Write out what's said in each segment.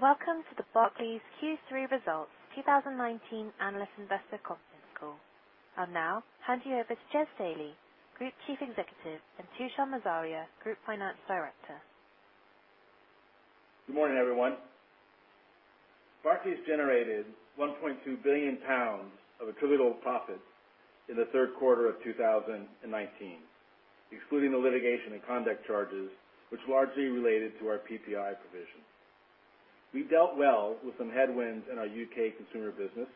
Welcome to the Barclays Q3 Results 2019 Analyst Investor Conference Call. I will now hand you over to Jes Staley, Group Chief Executive, and Tushar Morzaria, Group Finance Director. Good morning, everyone. Barclays generated 1.2 billion pounds of attributable profit in the third quarter of 2019, excluding the litigation and conduct charges which largely related to our PPI provision. We dealt well with some headwinds in our U.K. consumer business,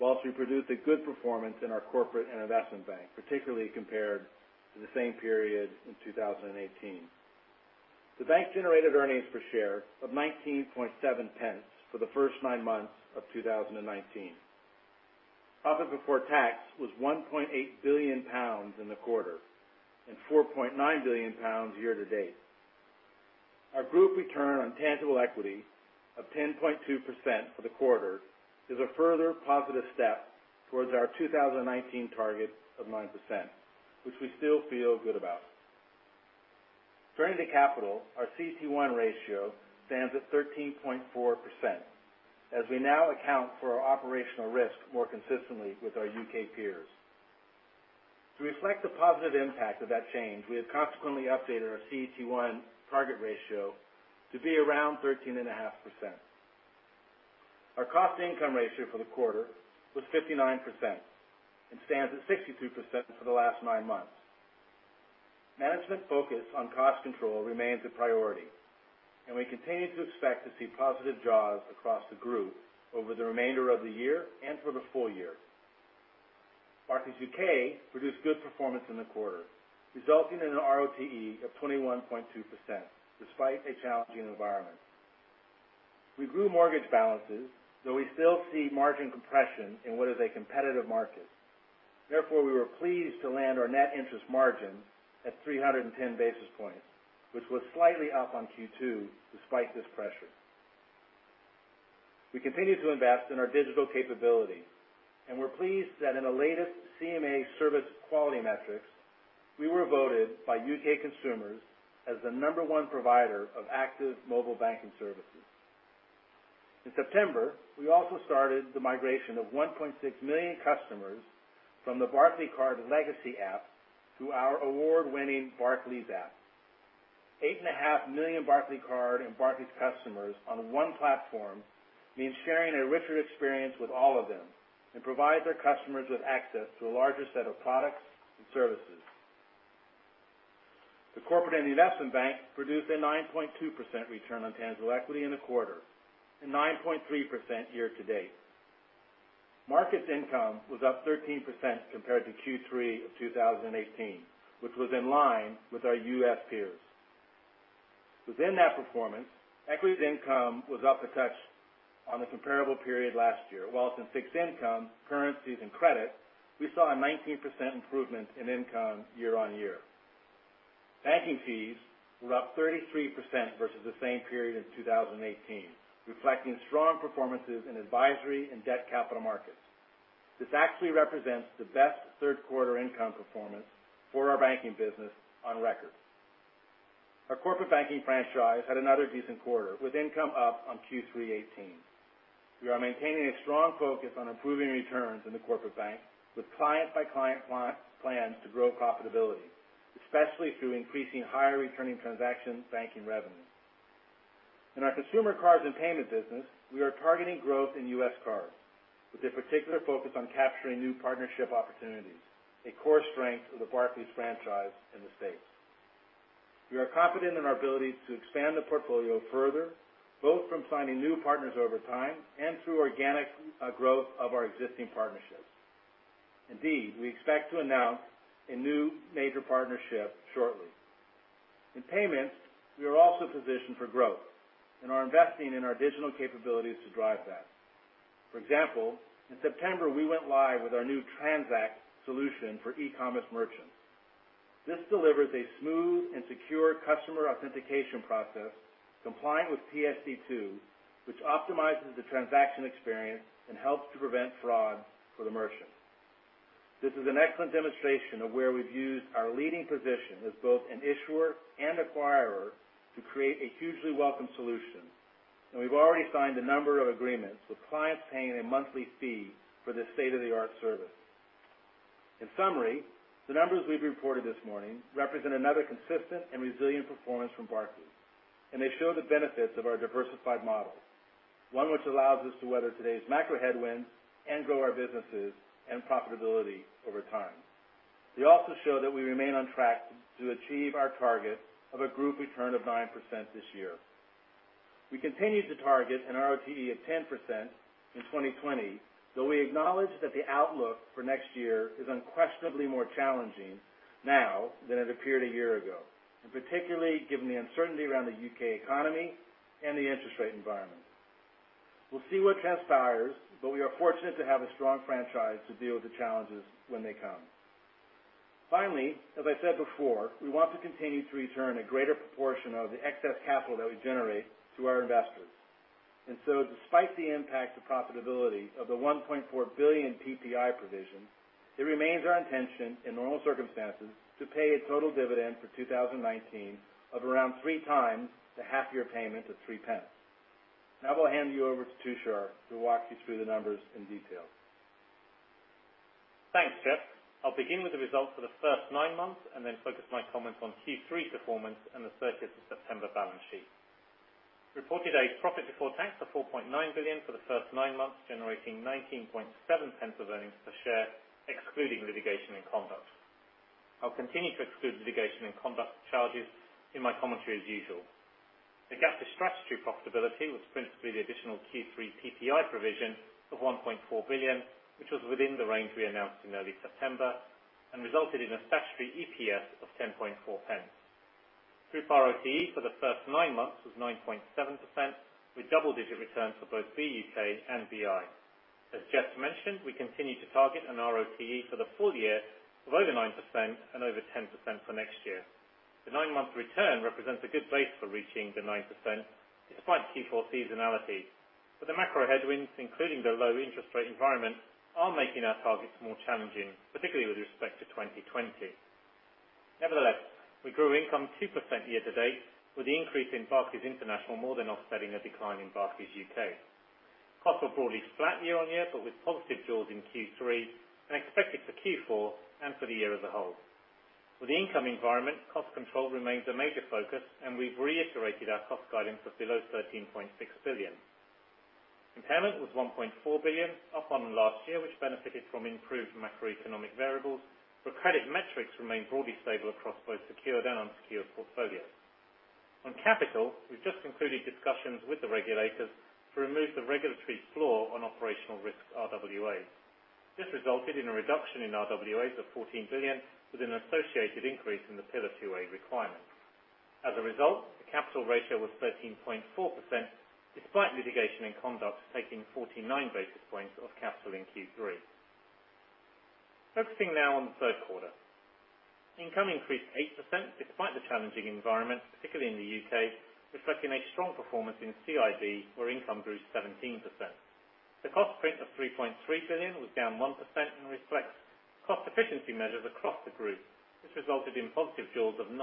whilst we produced a good performance in our Corporate & Investment Bank, particularly compared to the same period in 2018. The bank generated earnings per share of 0.197 for the first nine months of 2019. Profit before tax was 1.8 billion pounds in the quarter and 4.9 billion pounds year to date. Our group return on tangible equity of 10.2% for the quarter is a further positive step towards our 2019 target of 9%, which we still feel good about. Turning to capital, our CET1 ratio stands at 13.4%, as we now account for our operational risk more consistently with our U.K. peers. To reflect the positive impact of that change, we have consequently updated our CET1 target ratio to be around 13.5%. Our cost income ratio for the quarter was 59% and stands at 62% for the last nine months. Management focus on cost control remains a priority, we continue to expect to see positive jaws across the group over the remainder of the year and for the full year. Barclays UK produced good performance in the quarter, resulting in an ROTE of 21.2%, despite a challenging environment. We grew mortgage balances, though we still see margin compression in what is a competitive market. Therefore, we were pleased to land our net interest margin at 310 basis points, which was slightly up on Q2 despite this pressure. We continue to invest in our digital capability. We're pleased that in the latest CMA service quality metrics, we were voted by U.K. consumers as the number one provider of active mobile banking services. In September, we also started the migration of 1.6 million customers from the Barclaycard legacy app to our award-winning Barclays app. 8.5 million Barclaycard and Barclays customers on one platform means sharing a richer experience with all of them and provide their customers with access to a larger set of products and services. The Corporate & Investment Bank produced a 9.2% return on tangible equity in the quarter and 9.3% year to date. Markets income was up 13% compared to Q3 of 2018, which was in line with our U.S. peers. Within that performance, equities income was up a touch on the comparable period last year. Whilst in fixed income, currencies, and credit, we saw a 19% improvement in income year-on-year. Banking fees were up 33% versus the same period in 2018, reflecting strong performances in advisory and Debt Capital Markets. This actually represents the best third quarter income performance for our banking business on record. Our Corporate Banking franchise had another decent quarter, with income up on Q3 2018. We are maintaining a strong focus on improving returns in the Corporate Bank with client-by-client plans to grow profitability, especially through increasing higher returning transactions banking revenue. In our Consumer, Cards and Payments business, we are targeting growth in U.S. cards, with a particular focus on capturing new partnership opportunities, a core strength of the Barclays franchise in the States. We are confident in our ability to expand the portfolio further, both from signing new partners over time and through organic growth of our existing partnerships. Indeed, we expect to announce a new major partnership shortly. In payments, we are also positioned for growth and are investing in our digital capabilities to drive that. For example, in September, we went live with our new Transact solution for e-commerce merchants. This delivers a smooth and secure customer authentication process compliant with PSD2, which optimizes the transaction experience and helps to prevent fraud for the merchants. This is an excellent demonstration of where we've used our leading position as both an issuer and acquirer to create a hugely welcome solution, and we've already signed a number of agreements, with clients paying a monthly fee for this state-of-the-art service. In summary, the numbers we've reported this morning represent another consistent and resilient performance from Barclays. They show the benefits of our diversified model, one which allows us to weather today's macro headwinds and grow our businesses and profitability over time. They also show that we remain on track to achieve our target of a group return of 9% this year. We continue to target an ROTE of 10% in 2020, though we acknowledge that the outlook for next year is unquestionably more challenging now than it appeared a year ago, and particularly given the uncertainty around the U.K. economy and the interest rate environment. We'll see what transpires, but we are fortunate to have a strong franchise to deal with the challenges when they come. Finally, as I said before, we want to continue to return a greater proportion of the excess capital that we generate to our investors. Despite the impact to profitability of the 1.4 billion PPI provision, it remains our intention, in normal circumstances, to pay a total dividend for 2019 of around three times the half year payment of 0.03. Now I'll hand you over to Tushar, who'll walk you through the numbers in detail. Thanks, Jes. I'll begin with the results for the first nine months, and then focus my comments on Q3 performance and the 30th of September balance sheet. We reported a profit before tax of 4.9 billion for the first nine months, generating 0.197 of earnings per share, excluding litigation and conduct. I'll continue to exclude litigation and conduct charges in my commentary as usual. The gap to strategy profitability was principally the additional Q3 PPI provision of 1.4 billion, which was within the range we announced in early September, and resulted in a statutory EPS of 0.104. Group ROAE for the first nine months was 9.7%, with double-digit returns for both BUK and BI. As Jes mentioned, we continue to target an ROAE for the full year of over 9% and over 10% for next year. The nine-month return represents a good base for reaching the 9%, despite Q4 seasonality. The macro headwinds, including the low interest rate environment, are making our targets more challenging, particularly with respect to 2020. We grew income 2% year to date, with the increase in Barclays International more than offsetting the decline in Barclays UK. Costs were broadly flat year on year, but with positive jaws in Q3 and expected for Q4 and for the year as a whole. With the income environment, cost control remains a major focus, and we've reiterated our cost guidance of below 13.6 billion. Impairment was 1.4 billion, up on last year, which benefited from improved macroeconomic variables, but credit metrics remained broadly stable across both secured and unsecured portfolios. On capital, we've just concluded discussions with the regulators to remove the regulatory floor on operational risk RWA. This resulted in a reduction in RWAs of 14 billion, with an associated increase in the Pillar 2A requirement. The capital ratio was 13.4%, despite litigation and conduct taking 49 basis points of capital in Q3. Focusing now on the third quarter. Income increased 8% despite the challenging environment, particularly in the U.K., reflecting a strong performance in CIB, where income grew 17%. The cost print of 3.3 billion was down 1% and reflects cost efficiency measures across the group, which resulted in positive jaws of 9%.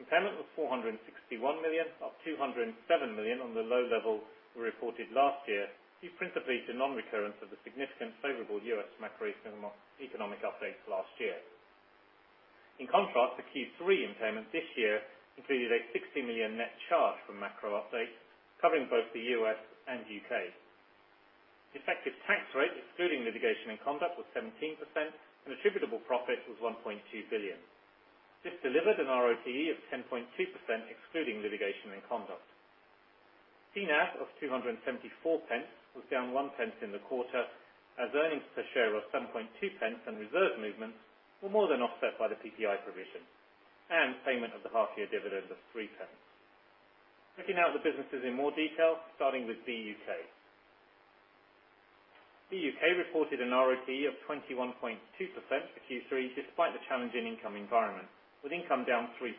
Impairment was 461 million, up 207 million on the low level we reported last year, due principally to non-recurrence of the significant favorable U.S. macroeconomic updates last year. The Q3 impairment this year included a 60 million net charge from macro updates covering both the U.S. and U.K. The effective tax rate, excluding litigation and conduct, was 17%. Attributable profit was 1.2 billion. This delivered an ROAE of 10.2%, excluding litigation and conduct. TNAV of GBP 2.74 was down 0.01 in the quarter, as earnings per share of 0.072 and reserve movements were more than offset by the PPI provision and payment of the half year dividend of 0.03. Looking now at the businesses in more detail, starting with BUK. BUK reported an ROE of 21.2% for Q3 despite the challenging income environment, with income down 3%.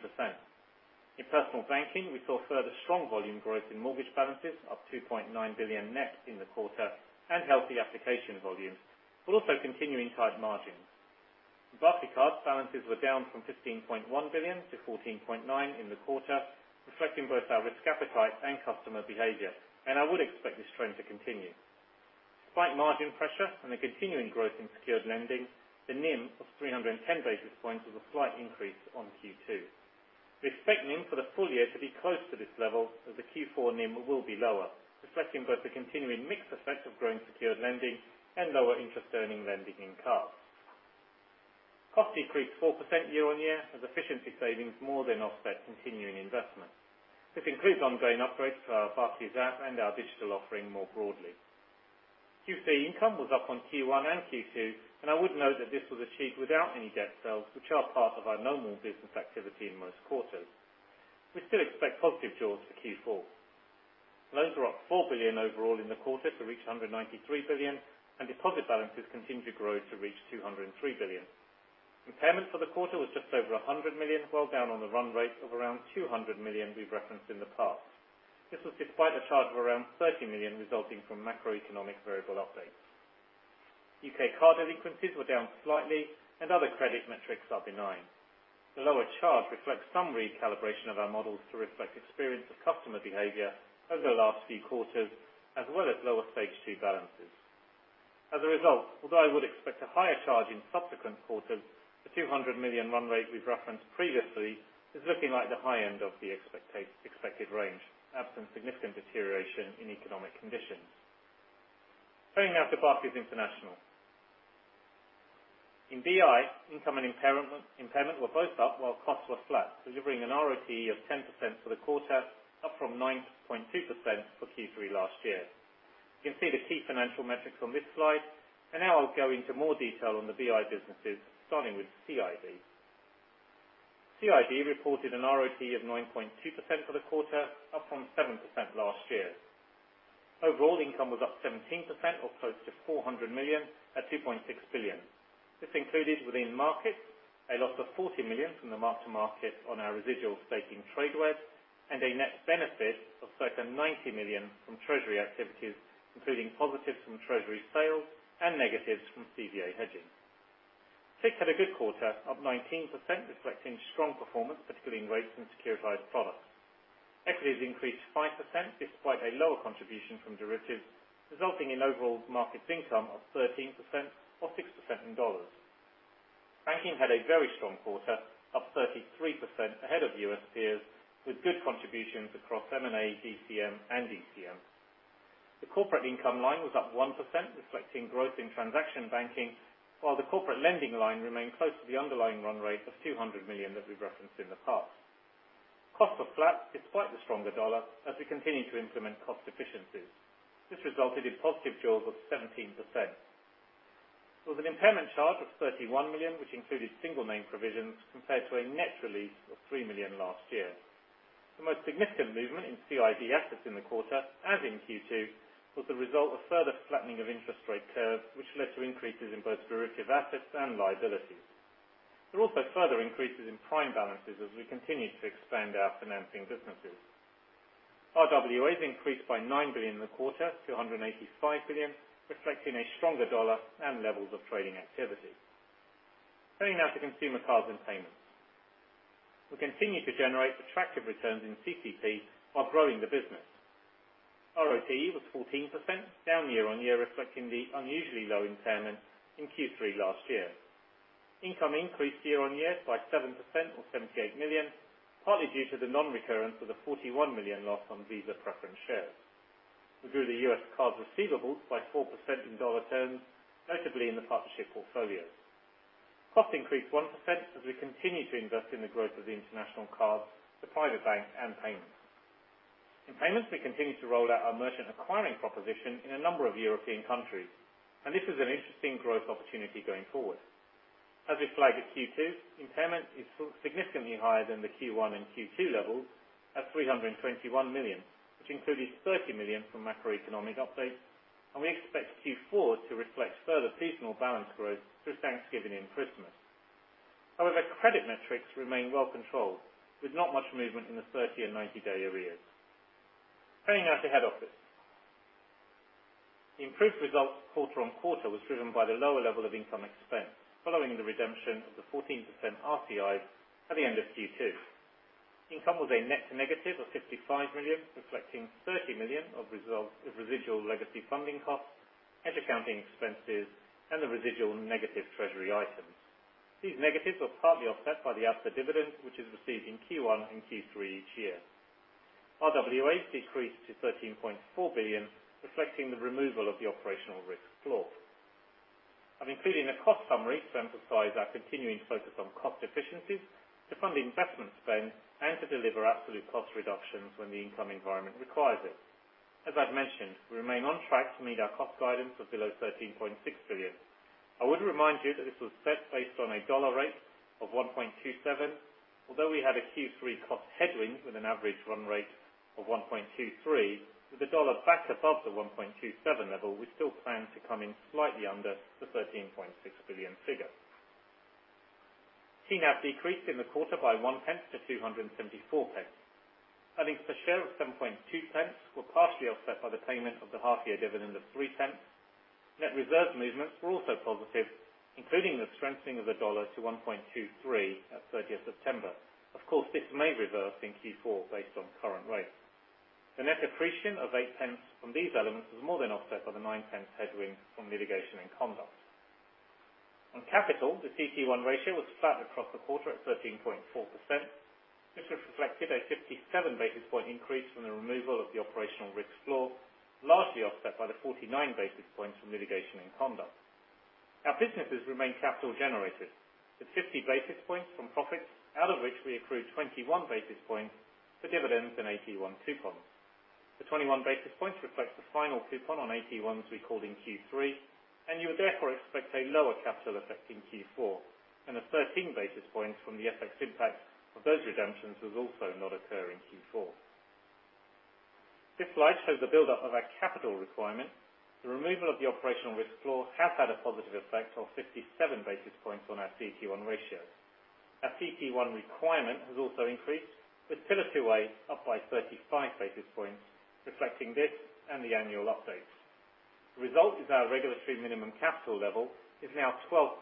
In personal banking, we saw further strong volume growth in mortgage balances, up 2.9 billion net in the quarter. Healthy application volumes, also continuing tight margins. Barclaycard balances were down from 15.1 billion to 14.9 billion in the quarter, reflecting both our risk appetite and customer behavior. I would expect this trend to continue. Despite margin pressure and the continuing growth in secured lending, the NIM of 310 basis points was a slight increase on Q2. We expect NIM for the full year to be close to this level, as the Q4 NIM will be lower, reflecting both the continuing mix effect of growing secured lending and lower interest earning lending in cards. Costs decreased 4% year-on-year, as efficiency savings more than offset continuing investment. This includes ongoing upgrades to our Barclays app and our digital offering more broadly. FICC income was up on Q1 and Q2, and I would note that this was achieved without any debt sales, which are part of our normal business activity in most quarters. We still expect positive jaws for Q4. Loans were up 4 billion overall in the quarter to reach 193 billion, and deposit balances continued to grow to reach 203 billion. Impairment for the quarter was just over 100 million, well down on the run rate of around 200 million we've referenced in the past. This was despite a charge of around 30 million resulting from macroeconomic variable updates. U.K. card delinquencies were down slightly, and other credit metrics are benign. The lower charge reflects some recalibration of our models to reflect experience of customer behavior over the last few quarters, as well as lower Stage 2 balances. As a result, although I would expect a higher charge in subsequent quarters, the 200 million run rate we've referenced previously is looking like the high end of the expected range, absent significant deterioration in economic conditions. Turning now to Barclays International. In BI, income and impairment were both up while costs were flat, delivering an ROE of 10% for the quarter, up from 9.2% for Q3 last year. You can see the key financial metrics on this slide, and now I'll go into more detail on the BI businesses, starting with CIB. CIB reported an ROE of 9.2% for the quarter, up from 7% last year. Overall income was up 17%, or close to 400 million, at 2.6 billion. This included within markets, a loss of 40 million from the mark-to-market on our residual stake in Tradeweb, and a net benefit of circa 90 million from treasury activities, including positives from treasury sales and negatives from CVA hedging. FICC had a good quarter, up 19%, reflecting strong performance, particularly in rates and securitized products. Equities increased 5%, despite a lower contribution from derivatives, resulting in overall markets income of 13% or 6% in USD. Banking had a very strong quarter, up 33% ahead of U.S. peers, with good contributions across M&A, DCM and ECM. The corporate income line was up 1%, reflecting growth in transaction banking, while the corporate lending line remained close to the underlying run rate of 200 million that we've referenced in the past. Costs were flat despite the stronger U.S. dollar, as we continue to implement cost efficiencies. This resulted in positive jaws of 17%. There was an impairment charge of 31 million, which included single name provisions, compared to a net release of 3 million last year. The most significant movement in CIB assets in the quarter, as in Q2, was the result of further flattening of interest rate curves, which led to increases in both derivative assets and liabilities. There are also further increases in prime balances as we continue to expand our financing businesses. RWA increased by 9 billion in the quarter to 185 billion, reflecting a stronger U.S. dollar and levels of trading activity. Turning now to consumer cards and payments. We continue to generate attractive returns in CCP while growing the business. ROE was 14%, down year-on-year, reflecting the unusually low impairment in Q3 last year. Income increased year-on-year by 7% or 78 million, partly due to the non-recurrence of the 41 million loss on Visa preference shares. We grew the U.S. cards receivables by 4% in dollar terms, notably in the partnership portfolio. Costs increased 1% as we continue to invest in the growth of the international cards, the private bank, and payments. In payments, we continue to roll out our merchant acquiring proposition in a number of European countries. This is an interesting growth opportunity going forward. As we flagged at Q2, impairment is significantly higher than the Q1 and Q2 levels at 321 million, which includes 30 million from macroeconomic updates, and we expect Q4 to reflect further seasonal balance growth through Thanksgiving and Christmas. However, credit metrics remain well controlled, with not much movement in the 30 and 90-day arrears. Turning now to head office. The improved result quarter-on-quarter was driven by the lower level of income expense following the redemption of the 14% RCIs at the end of Q2. Income was a net negative of 55 million, reflecting 30 million of residual legacy funding costs, hedge accounting expenses, and the residual negative treasury items. These negatives were partly offset by the Absa dividend, which is received in Q1 and Q3 each year. RWAs decreased to 13.4 billion, reflecting the removal of the operational risk floor. I'm including a cost summary to emphasize our continuing focus on cost efficiencies to fund investment spend and to deliver absolute cost reductions when the income environment requires it. As I've mentioned, we remain on track to meet our cost guidance of below 13.6 billion. I would remind you that this was set based on a USD rate of 1.27. Although we had a Q3 cost headwind with an average run rate of 1.23, with the USD back above the 1.27 level, we still plan to come in slightly under the 13.6 billion figure. NAV decreased in the quarter by 0.01 to 2.74. Earnings per share of 0.072 were partially offset by the payment of the half year dividend of 0.03. Net reserve movements were also positive, including the strengthening of the USD to 1.23 at 30th September. Of course, this may reverse in Q4 based on current rates. The net accretion of 0.08 from these elements was more than offset by the 0.09 headwind from litigation and conduct. On capital, the CET1 ratio was flat across the quarter at 13.4%. This has reflected a 57 basis point increase from the removal of the operational risk floor, largely offset by the 49 basis points from litigation and conduct. Our businesses remain capital generative, with 50 basis points from profits, out of which we accrued 21 basis points for dividends and AT1 coupons. The 21 basis points reflects the final coupon on AT1s we called in Q3. You would therefore expect a lower capital effect in Q4. The 13 basis points from the FX impact of those redemptions will also not occur in Q4. This slide shows the buildup of our capital requirement. The removal of the operational risk floor has had a positive effect of 57 basis points on our CET1 ratio. Our CET1 requirement has also increased, with Pillar 2A up by 35 basis points, reflecting this and the annual updates. The result is our regulatory minimum capital level is now 12%.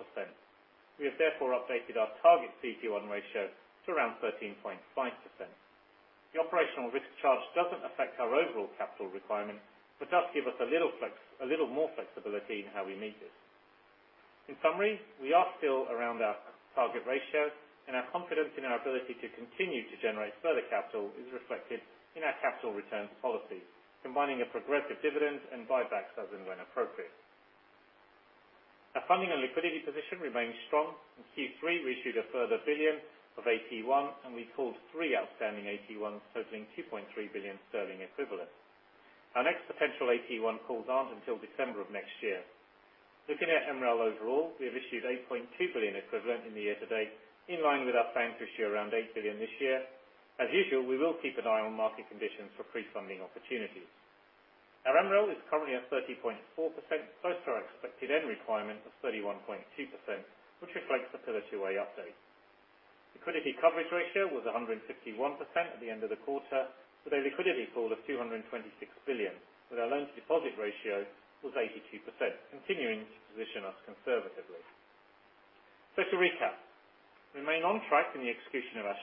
We have therefore updated our target CET1 ratio to around 13.5%. The operational risk charge doesn't affect our overall capital requirement, but does give us a little more flexibility in how we meet it. In summary, we are still around our target ratio, and our confidence in our ability to continue to generate further capital is reflected in our capital returns policy, combining a progressive dividend and buybacks as and when appropriate. Our funding and liquidity position remains strong. In Q3, we issued a further 1 billion of AT1, and we called three outstanding AT1s totaling 2.3 billion sterling equivalent. Our next potential AT1 calls aren't until December of next year. Looking at MREL overall, we have issued 8.2 billion equivalent in the year to date, in line with our plan to issue around 8 billion this year. As usual, we will keep an eye on market conditions for pre-funding opportunities. Our MREL is currently at 30.4%, close to our expected end requirement of 31.2%, which reflects the Pillar 2A update. Liquidity coverage ratio was 151% at the end of the quarter, with a liquidity pool of GBP 226 billion, with our loans deposit ratio was 82%, continuing to position us conservatively. To recap, we remain on track in the execution of our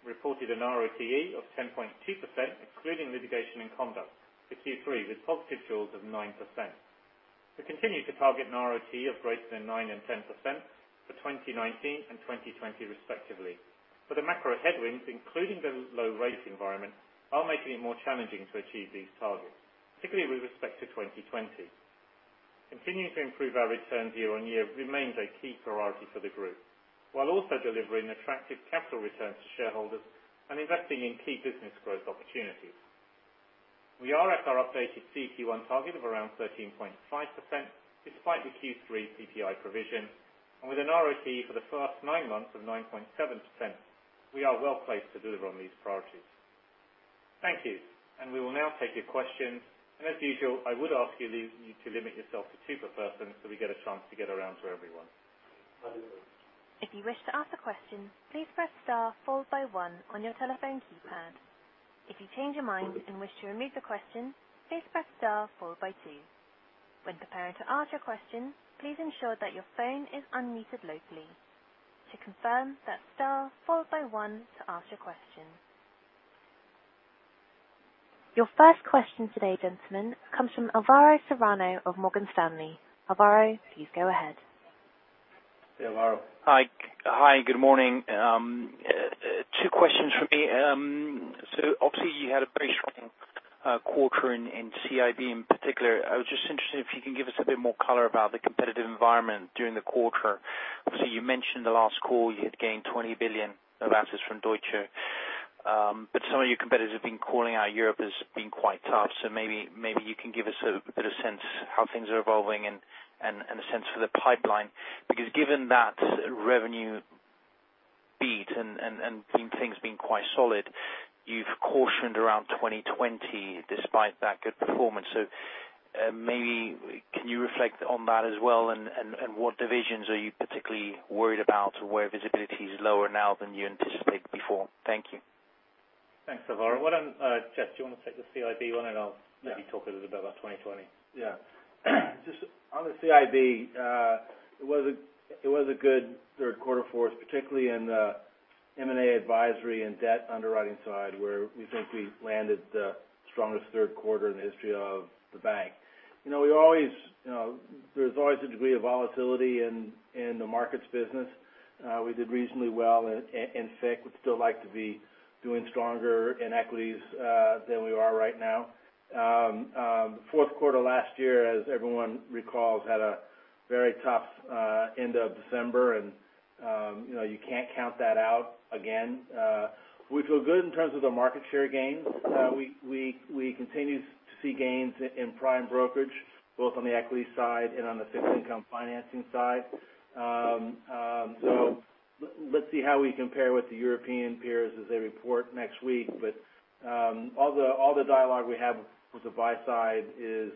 strategy. We reported an ROAE of 10.2%, excluding litigation and conduct for Q3, with positive jaws of 9%. We continue to target an ROAE of greater than 9% and 10% for 2019 and 2020 respectively. The macro headwinds, including the low rate environment, are making it more challenging to achieve these targets, particularly with respect to 2020. Continuing to improve our returns year on year remains a key priority for the group, while also delivering attractive capital returns to shareholders and investing in key business growth opportunities. We are at our updated CET1 target of around 13.5%, despite the Q3 PPI provision, and with an ROAE for the first nine months of 9.7%, we are well-placed to deliver on these priorities. Thank you. We will now take your questions, and as usual, I would ask you to limit yourself to two per person so we get a chance to get around to everyone. If you wish to ask a question, please press star followed by one on your telephone keypad. If you change your mind and wish to remove the question, please press star followed by two. When preparing to ask your question, please ensure that your phone is unmuted locally. To confirm, that's star followed by one to ask a question. Your first question today, gentlemen, comes from Alvaro Serrano of Morgan Stanley. Alvaro, please go ahead. Yeah, Alvaro. Hi. Good morning. Two questions from me. Obviously, you had a pretty strong quarter in CIB in particular. I was just interested if you can give us a bit more color about the competitive environment during the quarter. Obviously, you mentioned the last call, you had gained 20 billion of assets from Deutsche. Some of your competitors have been calling out Europe as being quite tough. Maybe you can give us a bit of sense how things are evolving and a sense for the pipeline. Because given that revenue beat and things being quite solid, you've cautioned around 2020 despite that good performance. Maybe can you reflect on that as well, and what divisions are you particularly worried about where visibility is lower now than you anticipated before? Thank you. Thanks, Alvaro. Jes, do you want to take the CIB one, and I'll maybe talk a little bit about 2020. Just on the CIB, it was a good third quarter for us, particularly in the M&A advisory and debt underwriting side, where we think we landed the strongest third quarter in the history of the bank. There's always a degree of volatility in the markets business. We did reasonably well in FICC. We'd still like to be doing stronger in equities than we are right now. Fourth quarter last year, as everyone recalls, had a very tough end of December, and you can't count that out again. We feel good in terms of the market share gains. We continue to see gains in prime brokerage, both on the equities side and on the fixed income financing side. Let's see how we compare with the European peers as they report next week. All the dialogue we have with the buy side is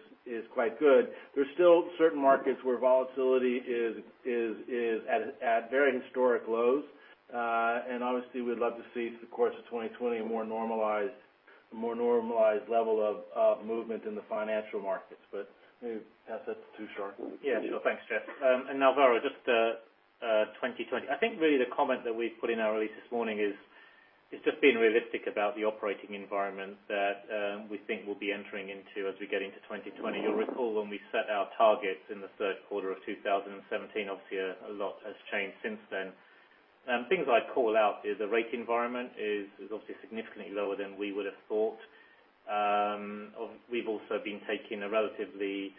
quite good. There's still certain markets where volatility is at very historic lows. Obviously, we'd love to see through the course of 2020, a more normalized level of movement in the financial markets. Maybe, [Tushar], that's too short. Yeah. No. Thanks, Jes. Alvaro, just 2020. I think really the comment that we put in our release this morning is just being realistic about the operating environment that we think we'll be entering into as we get into 2020. You'll recall when we set our targets in the third quarter of 2017, obviously, a lot has changed since then. Things I'd call out is the rate environment is obviously significantly lower than we would have thought. We've also been taking a relatively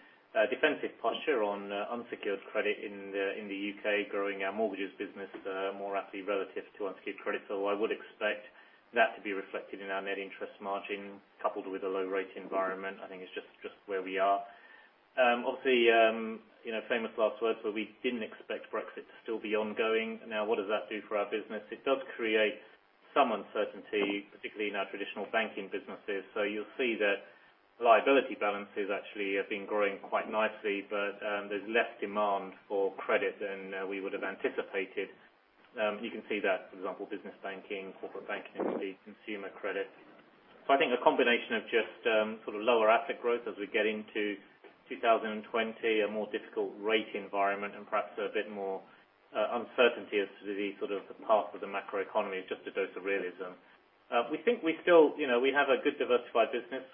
defensive posture on unsecured credit in the U.K., growing our mortgages business more rapidly relative to unsecured credit. I would expect that to be reflected in our net interest margin, coupled with a low rate environment. I think it's just where we are. Obviously, famous last words, but we didn't expect Brexit to still be ongoing. What does that do for our business? It does create some uncertainty, particularly in our traditional banking businesses. You'll see that liability balances actually have been growing quite nicely, but there's less demand for credit than we would have anticipated. You can see that, for example, business banking, corporate banking entity, consumer credit. I think a combination of just sort of lower asset growth as we get into 2020, a more difficult rate environment, and perhaps a bit more uncertainty as to the sort of path of the macroeconomy is just a dose of realism. We think we have a good diversified business.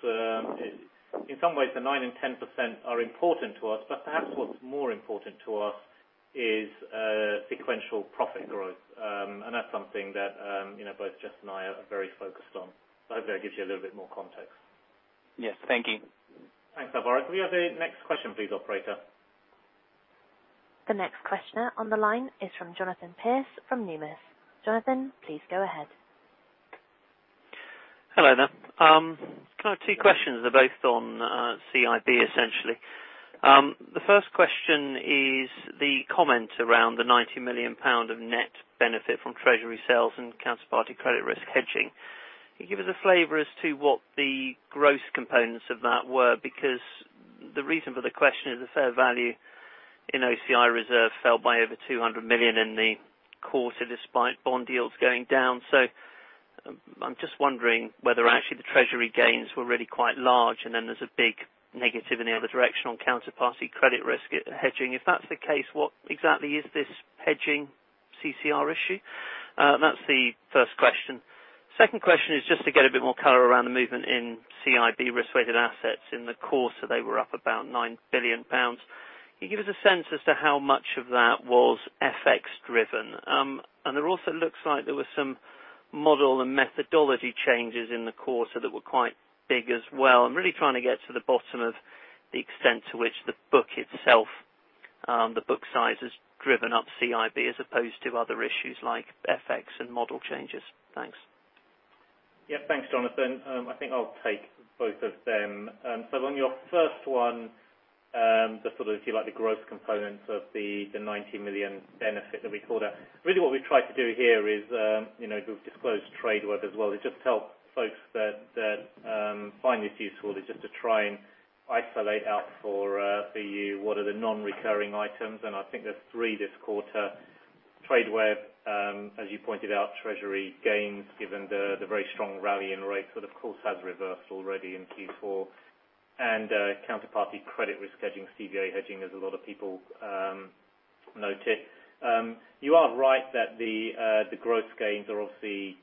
In some ways, the 9% and 10% are important to us, but perhaps what's more important to us is sequential profit growth. That's something that both Jes and I are very focused on. Hopefully that gives you a little bit more context. Yes. Thank you. Thanks, Alvaro. Can we have the next question please, operator? The next questioner on the line is from Jonathan Pierce from Numis. Jonathan, please go ahead. Hello there. Can I have two questions? They're both on CIB, essentially. The first question is the comment around the 90 million pound of net benefit from treasury sales and counterparty credit risk hedging. Can you give us a flavor as to what the gross components of that were? The reason for the question is the fair value in OCI reserve fell by over 200 million in the quarter, despite bond yields going down. I'm just wondering whether actually the treasury gains were really quite large, and then there's a big negative in the other direction on counterparty credit risk hedging. If that's the case, what exactly is this hedging CCR issue? That's the first question. Second question is just to get a bit more color around the movement in CIB risk-weighted assets. In the quarter, they were up about 9 billion pounds. Can you give us a sense as to how much of that was FX driven? There also looks like there was some model and methodology changes in the quarter that were quite big as well. I'm really trying to get to the bottom of the extent to which the book itself, the book size, has driven up CIB as opposed to other issues like FX and model changes. Thanks. Thanks, Jonathan. I think I'll take both of them. On your first one, the sort of, if you like, the gross components of the 90 million benefit that we called out. Really what we've tried to do here is, we've disclosed Tradeweb as well. It just helps folks that find this useful, is just to try and isolate out for you what are the non-recurring items. I think there's three this quarter. Tradeweb, as you pointed out, treasury gains, given the very strong rally in rates, but of course has reversed already in Q4. Counterparty credit risk hedging, CVA hedging, as a lot of people noted. You are right that the gross gains are obviously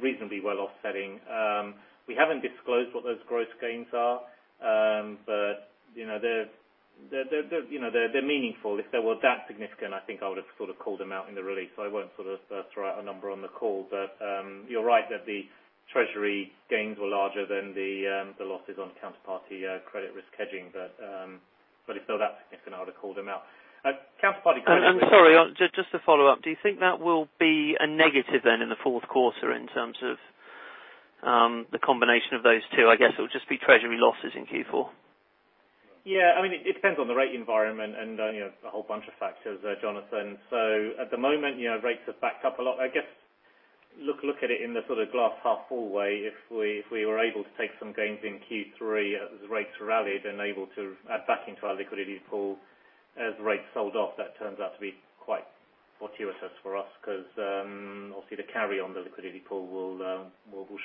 reasonably well offsetting. We haven't disclosed what those gross gains are. They're meaningful. If they were that significant, I think I would've called them out in the release. I won't throw out a number on the call. You're right that the treasury gains were larger than the losses on counterparty credit risk hedging. If they were that significant, I would've called them out. I'm sorry. Just to follow up, do you think that will be a negative then in the fourth quarter in terms of the combination of those two? I guess it'll just be treasury losses in Q4. Yeah. It depends on the rate environment and a whole bunch of factors there, Jonathan. At the moment, rates have backed up a lot. I guess, look at it in the glass half full way. If we were able to take some gains in Q3 as rates rallied and able to add back into our liquidity pool as rates sold off, that turns out to be quite fortuitous for us because obviously the carry on the liquidity pool will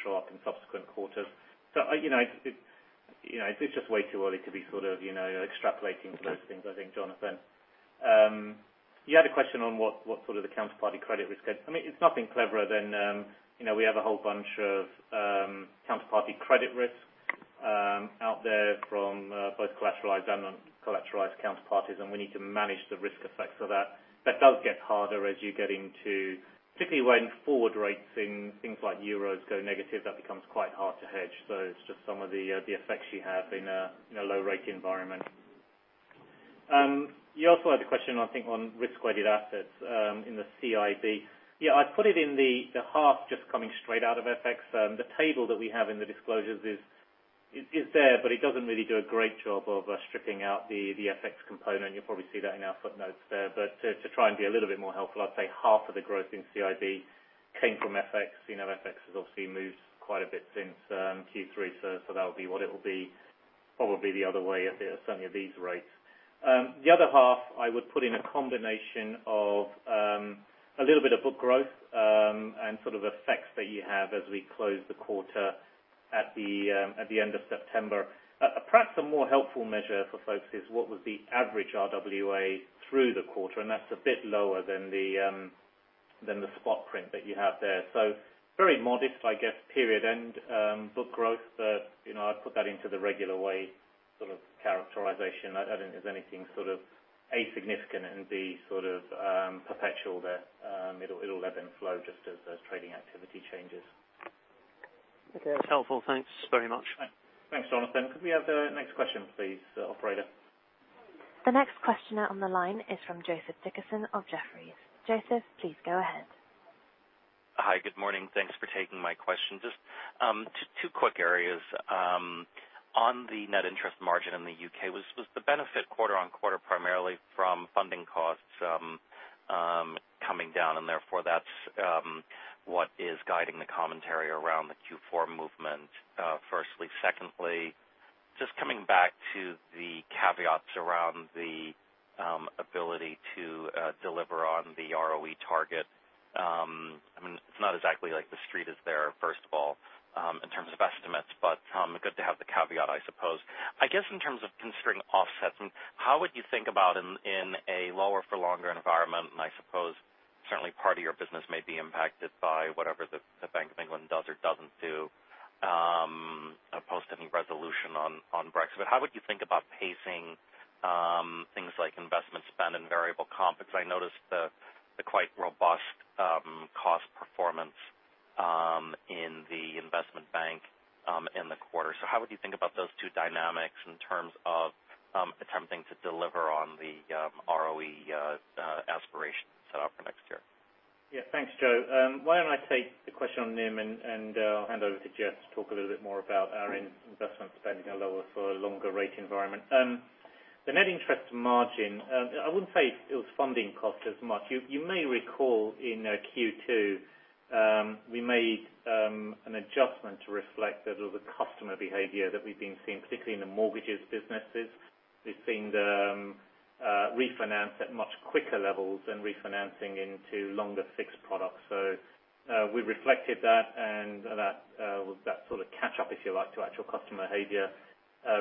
show up in subsequent quarters. It's just way too early to be extrapolating to those things, I think, Jonathan. You had a question on what sort of the counterparty credit risk hedge. It's nothing cleverer than we have a whole bunch of counterparty credit risk out there from both collateralized and non-collateralized counterparties, and we need to manage the risk effects of that. That does get harder as you get into particularly when forward rates in things like euros go negative, that becomes quite hard to hedge. It's just some of the effects you have in a low rate environment. You also had a question, I think, on risk-weighted assets in the CIB. I'd put it in the half just coming straight out of FX. The table that we have in the disclosures is there, but it doesn't really do a great job of stripping out the FX component. You'll probably see that in our footnotes there. To try and be a little bit more helpful, I'd say half of the growth in CIB came from FX. You know FX has obviously moved quite a bit since Q3, so that will be what it will be probably the other way at certainly these rates. The other half I would put in a combination of a little bit of book growth, and effects that you have as we close the quarter at the end of September. Perhaps a more helpful measure for folks is what was the average RWA through the quarter, and that's a bit lower than the spot print that you have there. Very modest, I guess, period end book growth. I'd put that into the regular way, sort of characterization. I don't think there's anything sort of A, significant, and B, sort of perpetual there. It'll ebb and flow just as trading activity changes. Okay. That's helpful. Thanks very much. Thanks, Jonathan. Could we have the next question please, operator? The next questioner on the line is from Joseph Dickerson of Jefferies. Joseph, please go ahead. Hi. Good morning. Thanks for taking my question. Just two quick areas. On the net interest margin in the U.K., was the benefit quarter-on-quarter primarily from funding costs coming down, and therefore, that's what is guiding the commentary around the Q4 movement, firstly. Secondly, just coming back to the caveats around the ability to deliver on the ROE target. It's not exactly like the Street is there, first of all, in terms of estimates, but good to have the caveat, I suppose. I guess in terms of considering offsets and how would you think about in a lower for longer environment, and I suppose certainly part of your business may be impacted by whatever the Bank of England does or doesn't do post any resolution on Brexit. How would you think about pacing things like investment spend and variable comp? I noticed the quite robust cost performance in the investment bank in the quarter. How would you think about those two dynamics in terms of attempting to deliver on the ROE aspiration set up for next year? Thanks, Joe. Why don't I take the question on NIM, and I'll hand over to Jes to talk a little bit more about our investment spending, a lower for longer rate environment. The net interest margin, I wouldn't say it was funding cost as much. You may recall in Q2, we made an adjustment to reflect a little customer behavior that we've been seeing, particularly in the mortgages businesses. We've seen the refinance at much quicker levels than refinancing into longer fixed products. We reflected that, and that sort of catch up, if you like, to actual customer behavior,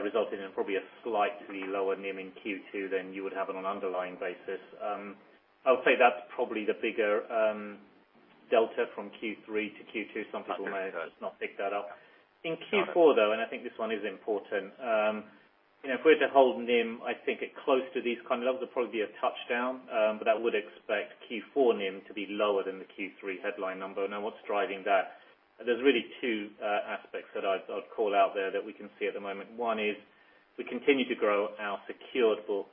resulted in probably a slightly lower NIM in Q2 than you would have on an underlying basis. I would say that's probably the bigger delta from Q3 to Q2. Some people may have just not picked that up. In Q4, though, I think this one is important. If we're to hold NIM, I think it close to these kind of levels, it'll probably be a touchdown. I would expect Q4 NIM to be lower than the Q3 headline number. What's driving that? There's really two aspects that I'd call out there that we can see at the moment. One is we continue to grow our secured book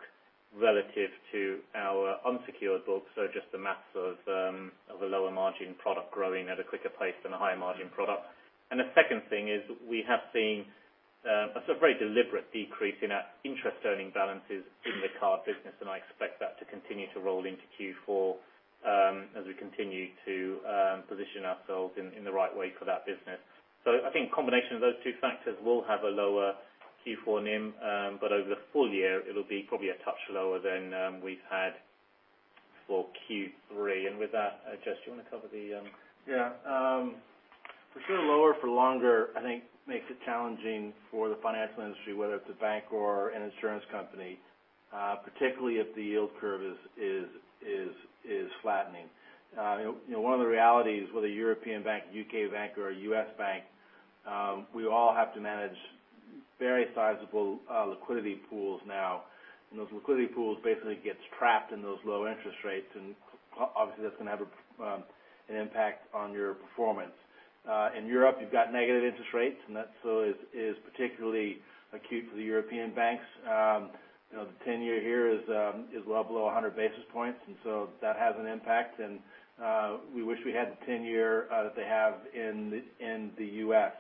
relative to our unsecured book. Just the mass of a lower margin product growing at a quicker pace than a higher margin product. The second thing is we have seen a sort of very deliberate decrease in our interest earning balances in the card business, and I expect that to continue to roll into Q4, as we continue to position ourselves in the right way for that business. I think combination of those two factors will have a lower Q4 NIM. Over the full year, it'll be probably a touch lower than we've had for Q3. With that, Jes, do you want to cover the? Yeah. For sure lower for longer, I think makes it challenging for the financial industry, whether it's a bank or an insurance company, particularly if the yield curve is flattening. One of the realities, whether a European bank, U.K. bank, or a U.S. bank, we all have to manage very sizable liquidity pools now. Those liquidity pools basically gets trapped in those low interest rates, obviously, that's going to have an impact on your performance. In Europe, you've got negative interest rates, That is particularly acute for the European banks. The 10-year here is well below 100 basis points, That has an impact. We wish we had the 10-year that they have in the U.S.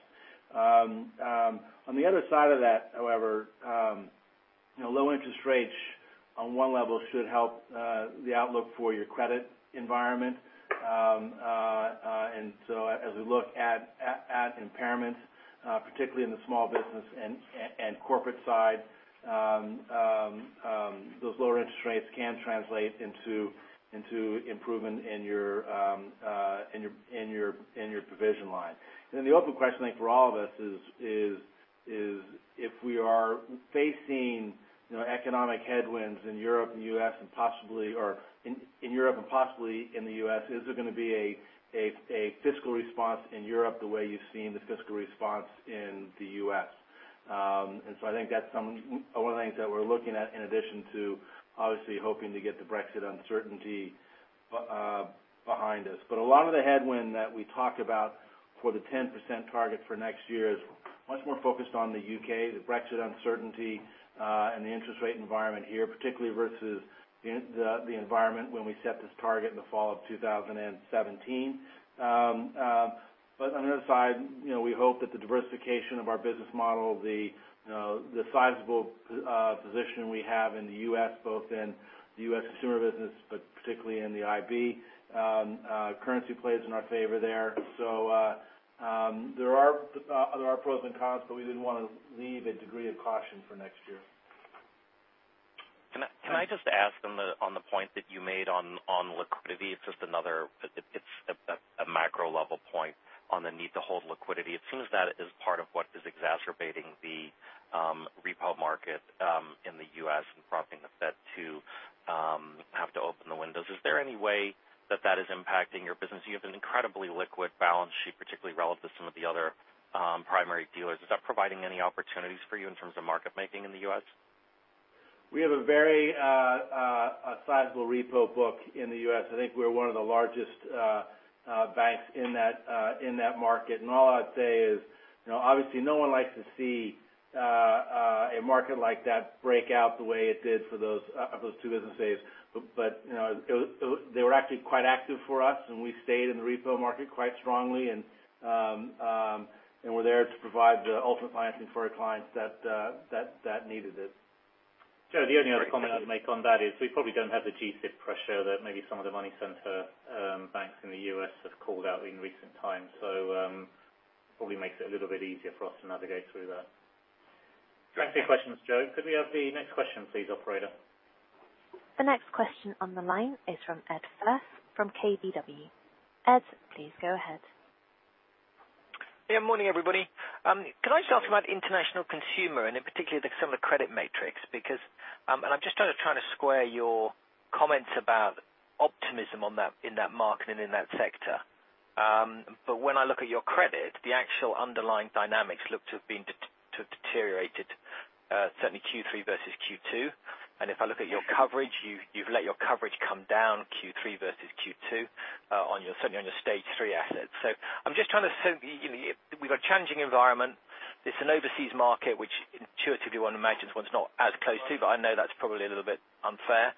On the other side of that, however, low interest rates on one level should help the outlook for your credit environment. As we look at impairment, particularly in the small business and corporate side, those lower interest rates can translate into improvement in your provision line. The open question, I think for all of us is if we are facing economic headwinds in Europe and possibly in the U.S., is there gonna be a fiscal response in Europe the way you've seen the fiscal response in the U.S.? I think that's one of the things that we're looking at in addition to obviously hoping to get the Brexit uncertainty behind us. A lot of the headwind that we talked about for the 10% target for next year is much more focused on the U.K., the Brexit uncertainty, and the interest rate environment here, particularly versus the environment when we set this target in the fall of 2017. On the other side, we hope that the diversification of our business model, the sizable position we have in the U.S. both in the U.S. consumer business, but particularly in the CIB, currency plays in our favor there. There are pros and cons, but we didn't want to leave a degree of caution for next year. Can I just ask on the point that you made on liquidity? It's a macro level point on the need to hold liquidity. It seems that is part of what is exacerbating the repo market in the U.S. and prompting the Fed to have to open the windows. Is there any way that that is impacting your business? You have an incredibly liquid balance sheet, particularly relative to some of the other primary dealers. Is that providing any opportunities for you in terms of market making in the U.S.? We have a very sizable repo book in the U.S. I think we're one of the largest banks in that market. All I'd say is, obviously, no one likes to see a market like that break out the way it did for those two businesses. They were actually quite active for us, and we stayed in the repo market quite strongly. We're there to provide the ultimate financing for our clients that needed it. Joe, the only other comment I'd make on that is we probably don't have the G-SIB pressure that maybe some of the money center banks in the U.S. have called out in recent times. Probably makes it a little bit easier for us to navigate through that. Thanks for your questions, Joe. Could we have the next question please, operator? The next question on the line is from Ed Firth from KBW. Ed, please go ahead. Morning, everybody. Can I just ask about international consumer and in particular the similar credit metrics? I'm just trying to square your comments about optimism in that market and in that sector. When I look at your credit, the actual underlying dynamics look to have deteriorated. Certainly Q3 versus Q2. If I look at your coverage, you've let your coverage come down Q3 versus Q2 certainly on your stage 3 assets. We've got a challenging environment. It's an overseas market, which intuitively one imagines one's not as close to, but I know that's probably a little bit unfair.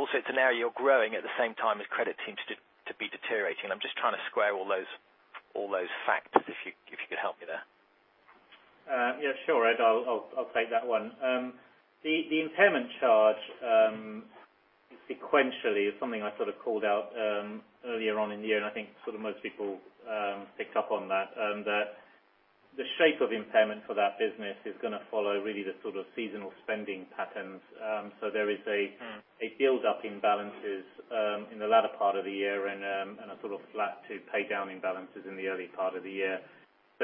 Also it's an area you're growing at the same time as credit seems to be deteriorating. I'm just trying to square all those facts, if you could help me there. Yeah, sure, Ed, I'll take that one. The impairment charge sequentially is something I sort of called out earlier on in the year. I think most people picked up on that. That the shape of impairment for that business is going to follow really the sort of seasonal spending patterns. There is a build-up in balances in the latter part of the year and a sort of flat to pay down imbalances in the early part of the year.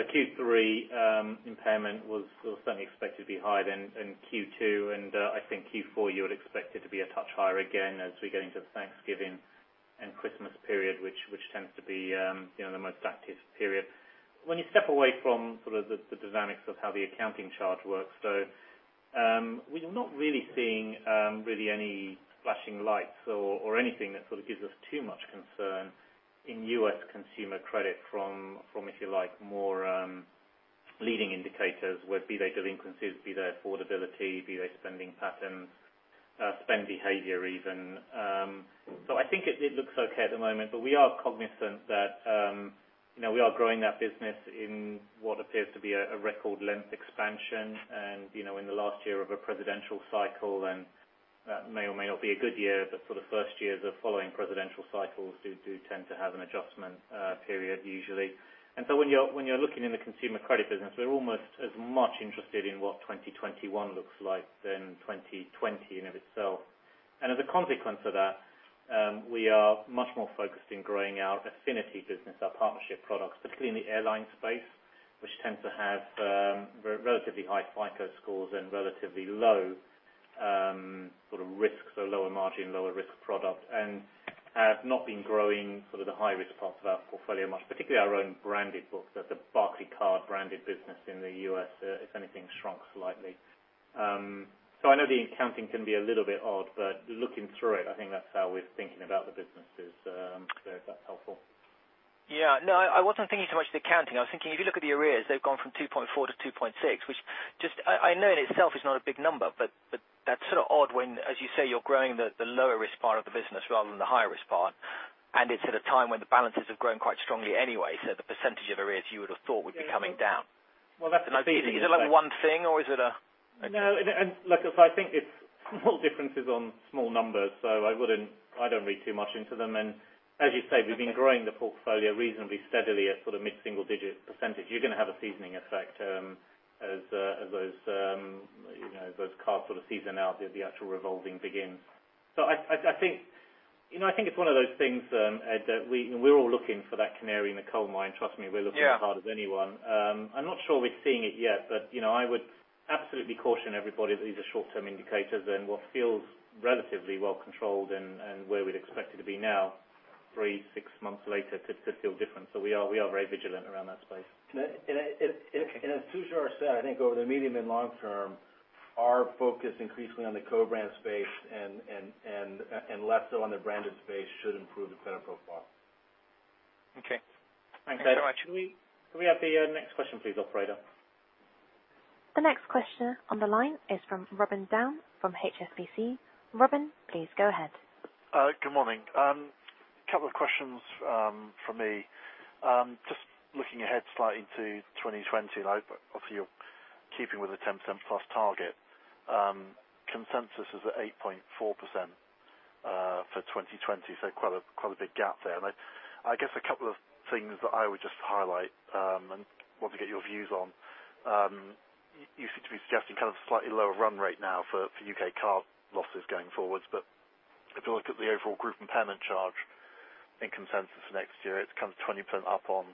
Q3 impairment was certainly expected to be higher than in Q2. I think Q4 you would expect it to be a touch higher again as we get into the Thanksgiving and Christmas period, which tends to be the most active period. When you step away from the dynamics of how the accounting charge works, though, we are not really seeing any flashing lights or anything that sort of gives us too much concern in U.S. consumer credit from, if you like, more leading indicators, be they delinquencies, be they affordability, be they spending patterns, spend behavior even. I think it looks okay at the moment. We are cognizant that we are growing that business in what appears to be a record length expansion and in the last year of a presidential cycle. That may or may not be a good year. For the first years of following presidential cycles do tend to have an adjustment period usually. When you're looking in the consumer credit business, we're almost as much interested in what 2021 looks like than 2020 in of itself. As a consequence of that, we are much more focused in growing our affinity business, our partnership products, particularly in the airline space, which tends to have relatively high FICO scores and relatively low sort of risks or lower margin, lower risk product, and have not been growing the high-risk parts of our portfolio much, particularly our own branded books at the Barclaycard branded business in the U.S., if anything, shrunk slightly. I know the accounting can be a little bit odd, but looking through it, I think that's how we're thinking about the businesses, if that's helpful. No, I wasn't thinking so much the accounting. I was thinking if you look at the arrears, they've gone from 2.4 to 2.6, which I know in itself is not a big number, but that's sort of odd when, as you say, you're growing the lower risk part of the business rather than the higher risk part. It's at a time when the balances have grown quite strongly anyway, so the percentage of arrears you would have thought would be coming down. Well, that's the- Is it like one thing or is it? No. Look, if I think it's small differences on small numbers, so I don't read too much into them. As you say, we've been growing the portfolio reasonably steadily at sort of mid-single digit percentage. You're going to have a seasoning effect as those cards sort of season out as the actual revolving begins. I think it's one of those things, Ed, that we're all looking for that canary in the coal mine. Trust me, we're looking. Yeah as hard as anyone. I'm not sure we're seeing it yet, but I would absolutely caution everybody that these are short-term indicators and what feels relatively well controlled and where we'd expect it to be now, three, six months later could feel different. We are very vigilant around that space. As Tushar said, I think over the medium and long term, our focus increasingly on the co-brand space and less so on the branded space should improve the credit profile. Okay. Thanks, Ed. Thanks very much. Can we have the next question please, operator? The next question on the line is from Robin Down from HSBC. Robin, please go ahead. Good morning. Two questions from me. Just looking ahead slightly to 2020, obviously you're keeping with the 10%+ target. Consensus is at 8.4% for 2020, quite a big gap there. I guess two things that I would just highlight, and want to get your views on. You seem to be suggesting kind of a slightly lower run rate now for U.K. card losses going forwards. If you look at the overall group impairment charge in consensus for next year, it's kind of 20% up on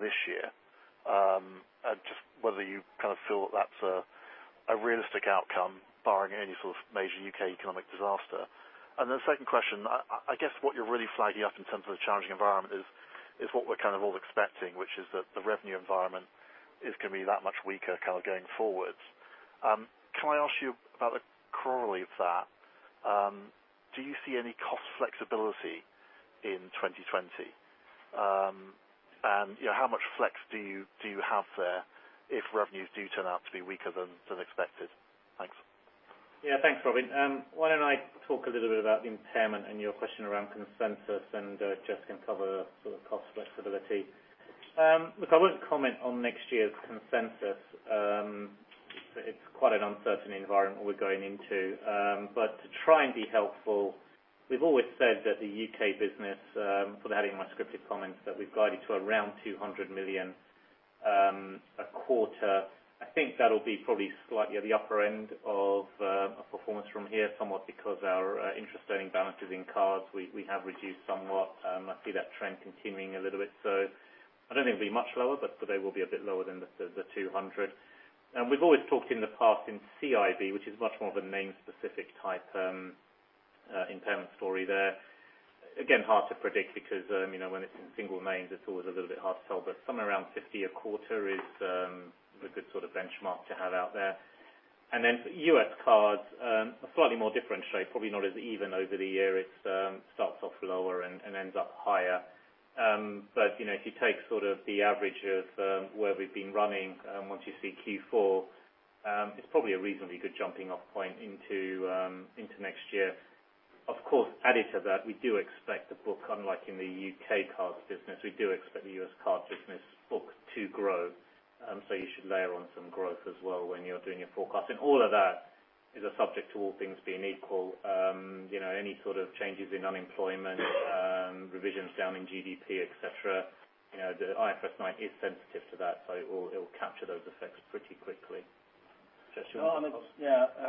this year. Just whether you kind of feel that's a realistic outcome barring any sort of major U.K. economic disaster. Second question, I guess what you're really flagging up in terms of the challenging environment is what we're kind of all expecting, which is that the revenue environment is going to be that much weaker going forwards. Can I ask you about the corollary of that? Do you see any cost flexibility in 2020? How much flex do you have there if revenues do turn out to be weaker than expected? Thanks. Yeah. Thanks, Robin. Why don't I talk a little bit about the impairment and your question around consensus, and Jes can cover sort of cost flexibility. Look, I wouldn't comment on next year's consensus. It's quite an uncertain environment we're going into. To try and be helpful, we've always said that the U.K. business, without having my scripted comments, that we've guided to around 200 million a quarter. I think that'll be probably slightly at the upper end of a performance from here somewhat because our interest earning balances in cards, we have reduced somewhat. I see that trend continuing a little bit. I don't think it'll be much lower, but they will be a bit lower than the 200. We've always talked in the past in CIB, which is much more of a name specific type impairment story there. Again, hard to predict because when it's in single names, it's always a little bit hard to tell, but somewhere around 50 a quarter is a good sort of benchmark to have out there. For U.S. Cards, a slightly more differentiated, probably not as even over the year. It starts off lower and ends up higher. If you take sort of the average of where we've been running, once you see Q4, it's probably a reasonably good jumping-off point into next year. Of course, added to that, we do expect the book, unlike in the U.K. Cards business, we do expect the U.S. Card business book to grow. You should layer on some growth as well when you're doing your forecast. All of that is a subject to all things being equal. Any sort of changes in unemployment, revisions down in GDP, et cetera, the IFRS 9 is sensitive to that, so it will capture those effects pretty quickly. Jes, you want to add?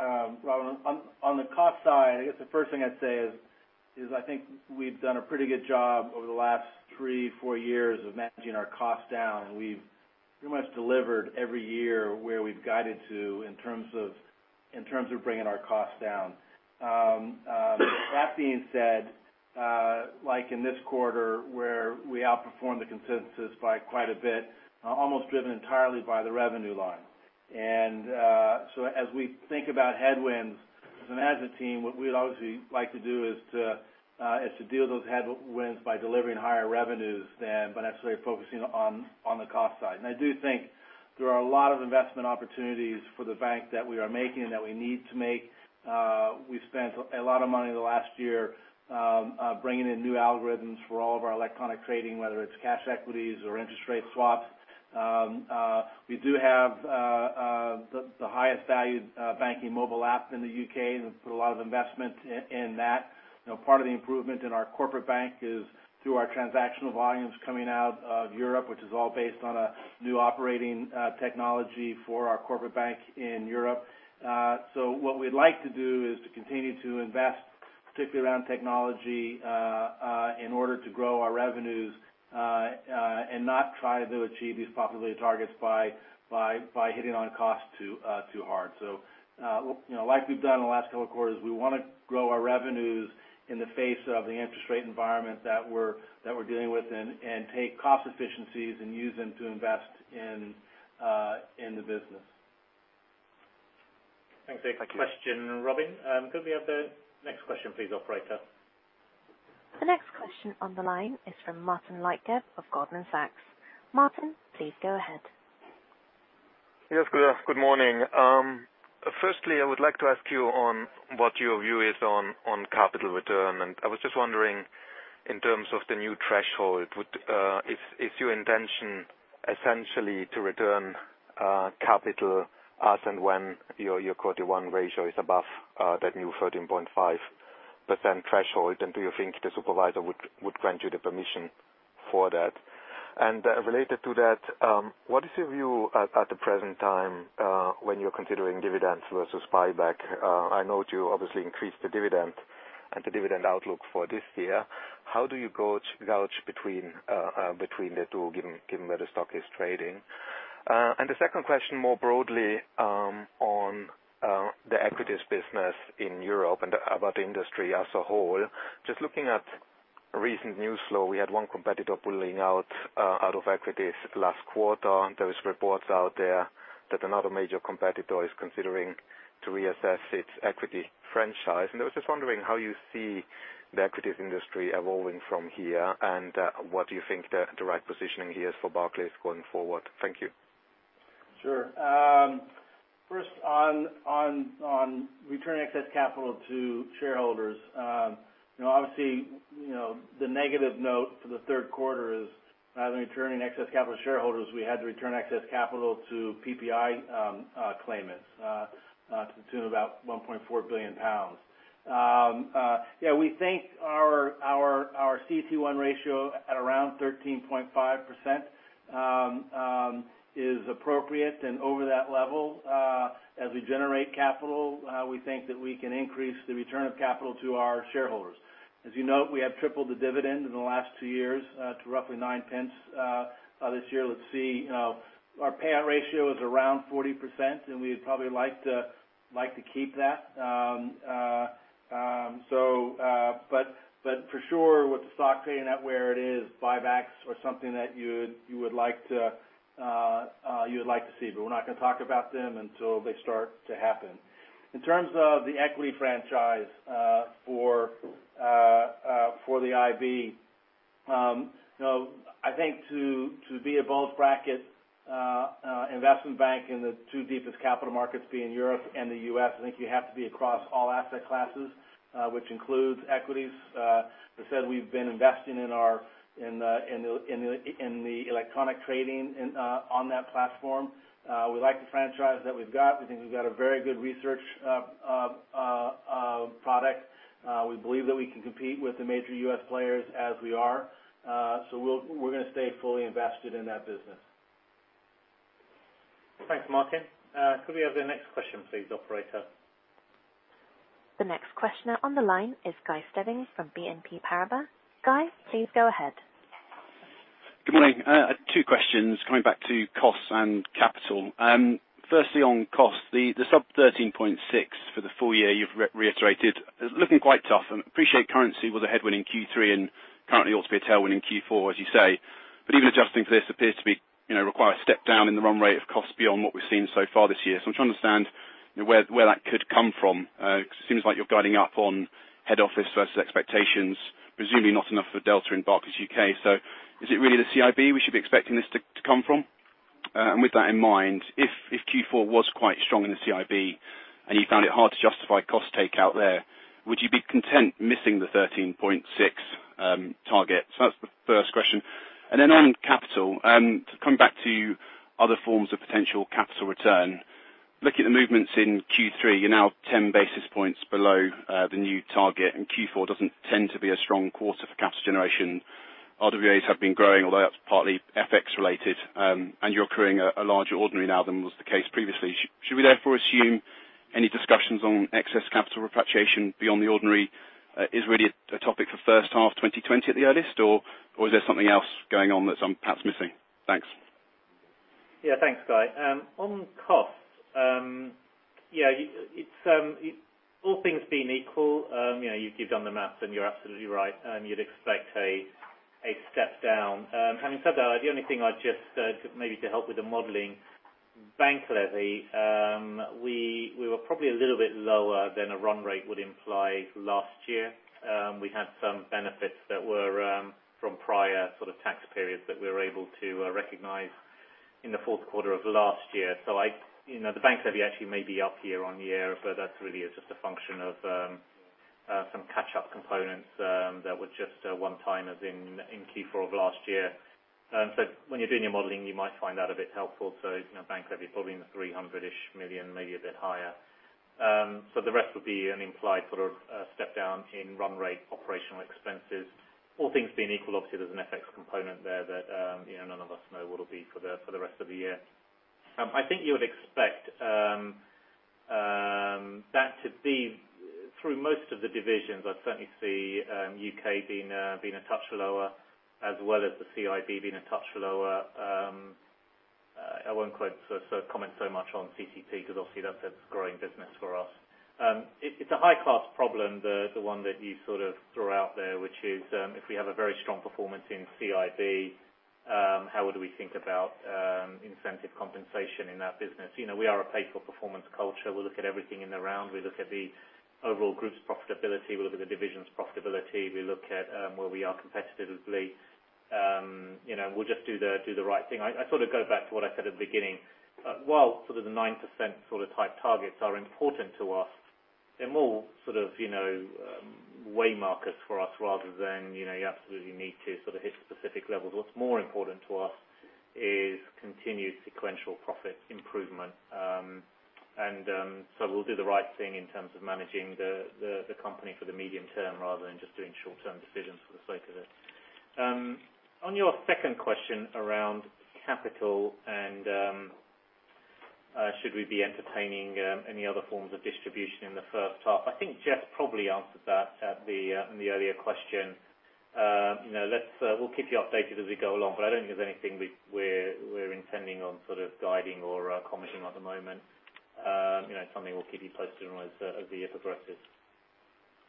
Yeah. Robin, on the cost side, I guess the first thing I'd say is, I think we've done a pretty good job over the last three, four years of managing our costs down. We've pretty much delivered every year where we've guided to in terms of bringing our costs down. That being said, like in this quarter, where we outperformed the consensus by quite a bit, almost driven entirely by the revenue line. As we think about headwinds as a team, what we'd obviously like to do is to deal with those headwinds by delivering higher revenues than by necessarily focusing on the cost side. I do think there are a lot of investment opportunities for the bank that we are making and that we need to make. We've spent a lot of money in the last year bringing in new algorithms for all of our electronic trading, whether it's cash equities or interest rate swaps. We do have the highest valued banking mobile app in the U.K., and we've put a lot of investment in that. Part of the improvement in our corporate bank is through our transactional volumes coming out of Europe, which is all based on a new operating technology for our corporate bank in Europe. What we'd like to do is to continue to invest, particularly around technology, in order to grow our revenues, and not try to achieve these profitability targets by hitting on cost too hard. Like we've done in the last couple of quarters, we want to grow our revenues in the face of the interest rate environment that we're dealing with and take cost efficiencies and use them to invest in the business. Thanks. Thank you. Next question, Robin. Could we have the next question please, operator? The next question on the line is from Martin Leitgeb of Goldman Sachs. Martin, please go ahead. Yes, good morning. Firstly, I would like to ask you on what your view is on capital return. I was just wondering, in terms of the new threshold, if you intention essentially to return capital as and when your quarter one ratio is above that new 13.5% threshold, and do you think the supervisor would grant you the permission for that? Related to that, what is your view at the present time, when you're considering dividends versus buyback? I know you obviously increased the dividend and the dividend outlook for this year. How do you gauge between the two, given where the stock is trading? The second question, more broadly, on the equities business in Europe and about the industry as a whole. Just looking at recent news flow, we had one competitor pulling out of equities last quarter. There was reports out there that another major competitor is considering to reassess its equity franchise. I was just wondering how you see the equities industry evolving from here, and what do you think the right positioning here is for Barclays going forward? Thank you. Sure. First on returning excess capital to shareholders. Obviously, the negative note for the third quarter is rather than returning excess capital to shareholders, we had to return excess capital to PPI claimants to the tune of about 1.4 billion pounds. Yeah, we think our CET1 ratio at around 13.5% is appropriate, and over that level, as we generate capital, we think that we can increase the return of capital to our shareholders. As you know, we have tripled the dividend in the last two years to roughly 0.09. This year, let's see. Our payout ratio is around 40%, and we'd probably like to keep that. For sure, with the stock paying out where it is, buybacks are something that you would like to see. We're not going to talk about them until they start to happen. In terms of the equity franchise for the IB, I think to be a bulge bracket investment bank in the two deepest capital markets, being Europe and the U.S., I think you have to be across all asset classes, which includes equities. As I said, we've been investing in the electronic trading on that platform. We like the franchise that we've got. We think we've got a very good research product. We believe that we can compete with the major U.S. players as we are. We're going to stay fully invested in that business. Thanks, Martin. Could we have the next question please, operator? The next questioner on the line is Guy Stebbings from BNP Paribas. Guy, please go ahead. Good morning. Two questions coming back to costs and capital. Firstly, on costs, the sub 13.6 for the full year you've reiterated is looking quite tough. I appreciate currency was a headwind in Q3 and currently ought to be a tailwind in Q4, as you say. Even adjusting for this appears to require a step down in the run rate of costs beyond what we've seen so far this year. I'm trying to understand where that could come from. Because it seems like you're guiding up on head office versus expectations, presumably not enough for delta in Barclays UK. Is it really the CIB we should be expecting this to come from? With that in mind, if Q4 was quite strong in the CIB and you found it hard to justify cost take out there, would you be content missing the 13.6 target? That's the first question. On capital, to come back to other forms of potential capital return. Looking at the movements in Q3, you're now 10 basis points below the new target, and Q4 doesn't tend to be a strong quarter for capital generation. RWAs have been growing, although that's partly FX related, and you're accruing a larger ordinary now than was the case previously. Should we therefore assume any discussions on excess capital repatriation beyond the ordinary is really a topic for first half 2020 at the earliest, or is there something else going on that I'm perhaps missing? Thanks. Yeah, thanks, Guy. On cost, all things being equal, you've done the math and you're absolutely right. You'd expect a step down. Having said that, the only thing I'd just maybe to help with the modeling, bank levy, we were probably a little bit lower than a run rate would imply last year. We had some benefits that were from prior sort of tax periods that we were able to recognize in the fourth quarter of last year. The bank levy actually may be up year-on-year, but that really is just a function of some catch-up components that were just one-timers in Q4 of last year. When you're doing your modeling, you might find that a bit helpful. Bank levy probably in the 300-ish million, maybe a bit higher. The rest would be an implied step down in run rate operational expenses. All things being equal, obviously, there's an FX component there that none of us know what it'll be for the rest of the year. I think you would expect that to be through most of the divisions. I certainly see UK being a touch lower as well as the CIB being a touch lower. I won't comment so much on CCP because obviously that's a growing business for us. It's a high cost problem, the one that you sort of threw out there, which is if we have a very strong performance in CIB, how would we think about incentive compensation in that business? We are a pay for performance culture. We look at everything in the round. We look at the overall group's profitability. We look at the division's profitability. We look at where we are competitively. We just do the right thing. I go back to what I said at the beginning. While the 9% type targets are important to us, they're more way markers for us rather than you absolutely need to hit specific levels. What's more important to us is continued sequential profit improvement. We'll do the right thing in terms of managing the company for the medium term rather than just doing short-term decisions for the sake of it. On your second question around capital and should we be entertaining any other forms of distribution in the first half, I think Jes probably answered that in the earlier question. We'll keep you updated as we go along, I don't think there's anything we're intending on guiding or commenting at the moment. It's something we'll keep you posted on as the year progresses.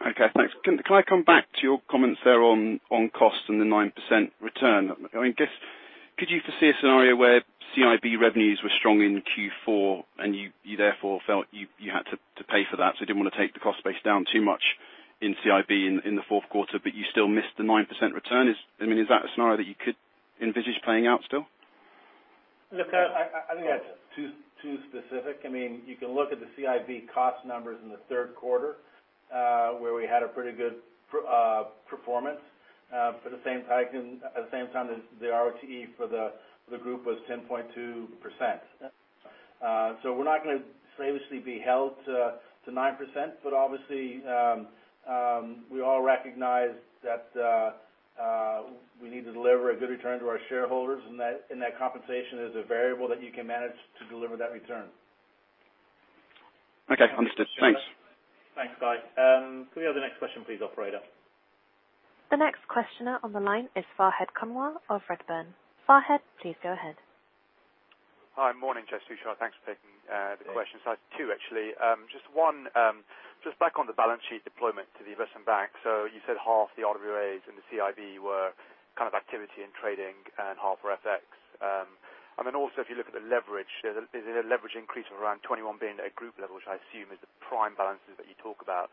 Okay, thanks. Can I come back to your comments there on cost and the 9% return? Could you foresee a scenario where CIB revenues were strong in Q4 and you therefore felt you had to pay for that, so you didn't want to take the cost base down too much in CIB in the fourth quarter, but you still missed the 9% return? Is that a scenario that you could envisage playing out still? Look, I think that's too specific. You can look at the CIB cost numbers in the third quarter where we had a pretty good performance. At the same time, the ROTE for the group was 10.2%. We're not going to slavishly be held to 9%, but obviously, we all recognize that we need to deliver a good return to our shareholders, and that compensation is a variable that you can manage to deliver that return. Okay, understood. Thanks. Thanks, Guy. Can we have the next question please, operator? The next questioner on the line is Fahed Kunwar of Redburn. Fahed, please go ahead. Hi, morning Jes, Tushar. Thanks for taking the question. I have two actually. Just one, just back on the balance sheet deployment to the investment bank. You said half the RWAs in the CIB were kind of activity in trading and half were FX. Then also if you look at the leverage, there's a leverage increase of around 21 billion at group level, which I assume is the prime balances that you talk about.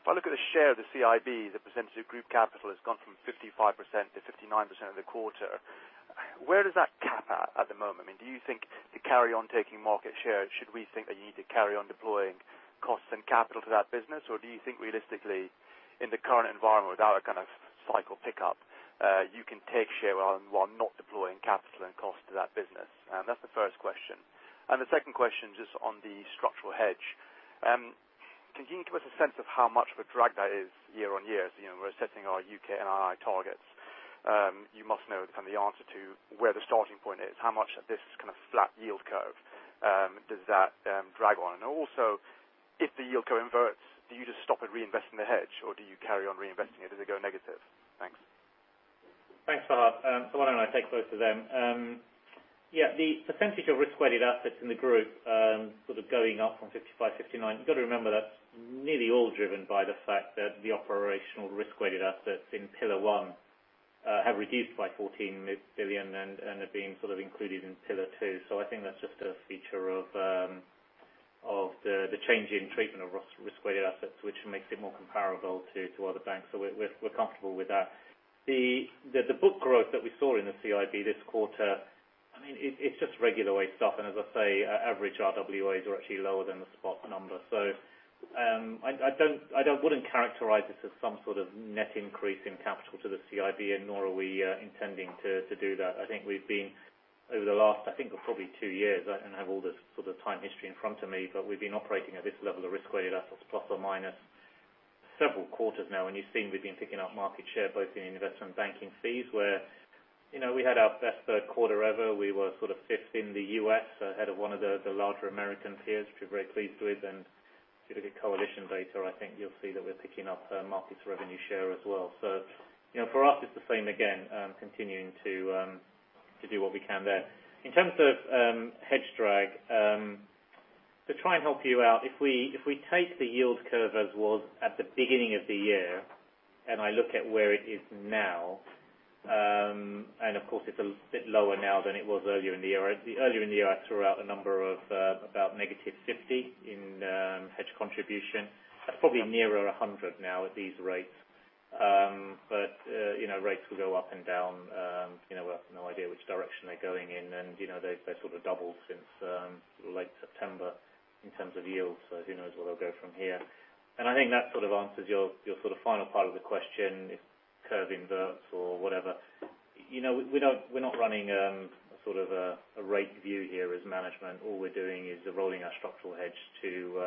If I look at the share of the CIB, the percentage of group capital has gone from 55% to 59% in the quarter. Where does that cap at the moment? Do you think to carry on taking market share, should we think that you need to carry on deploying costs and capital to that business? Do you think realistically in the current environment without a kind of cycle pickup, you can take share while not deploying capital and cost to that business? That's the first question. The second question, just on the structural hedge. Can you give us a sense of how much of a drag that is year-over-year? As we're setting our U.K. NII targets, you must know kind of the answer to where the starting point is. How much of this kind of flat yield curve does that drag on? Also, if the yield converts, do you just stop at reinvesting the hedge, or do you carry on reinvesting it as it go negative? Thanks. Thanks, Fahed. Why don't I take both of them? Yeah. The percentage of risk-weighted assets in the group sort of going up from 55 to 59, you got to remember that's nearly all driven by the fact that the operational risk-weighted assets in pillar 1 have reduced by 14 billion and are being included in pillar 2. I think that's just a feature of the change in treatment of risk-weighted assets, which makes it more comparable to other banks. We're comfortable with that. The book growth that we saw in the CIB this quarter, I mean, it's just regular weight stuff. As I say, average RWAs are actually lower than the spot number. I wouldn't characterize this as some sort of net increase in capital to the CIB, and nor are we intending to do that. I think we've been, over the last, I think probably 2 years, I don't have all the sort of time history in front of me, but we've been operating at this level of risk-weighted assets, plus or minus several quarters now. You've seen we've been picking up market share, both in investment banking fees, where we had our best third quarter ever. We were sort of fifth in the U.S., ahead of one of the larger American peers, which we're very pleased with. If you look at Coalition data, I think you'll see that we're picking up markets revenue share as well. For us, it's the same again, continuing to do what we can there. In terms of hedge drag, to try and help you out, if we take the yield curve as was at the beginning of the year, I look at where it is now, and of course it's a bit lower now than it was earlier in the year. Earlier in the year, I threw out a number of about negative 50 in hedge contribution. That's probably nearer 100 now at these rates. But rates will go up and down. I have no idea which direction they're going in. They sort of doubled since late September in terms of yields. So who knows where they'll go from here. I think that sort of answers your sort of final part of the question, if curve inverts or whatever. We're not running a sort of a rate view here as management. All we're doing is rolling our structural hedge to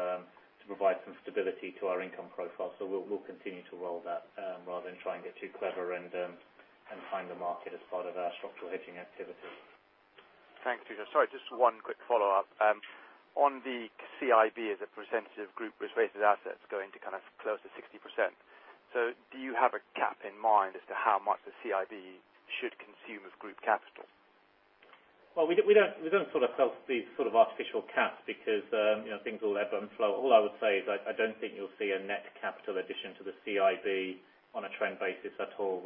provide some stability to our income profile. We'll continue to roll that rather than try and get too clever and time the market as part of our structural hedging activity. Thanks, Tushar. Sorry, just one quick follow-up. On the CIB as a percentage of group risk-weighted assets going to kind of close to 60%. Do you have a cap in mind as to how much the CIB should consume of group capital? Well, we don't sort of set these sort of artificial caps because things will ebb and flow. All I would say is I don't think you'll see a net capital addition to the CIB on a trend basis at all.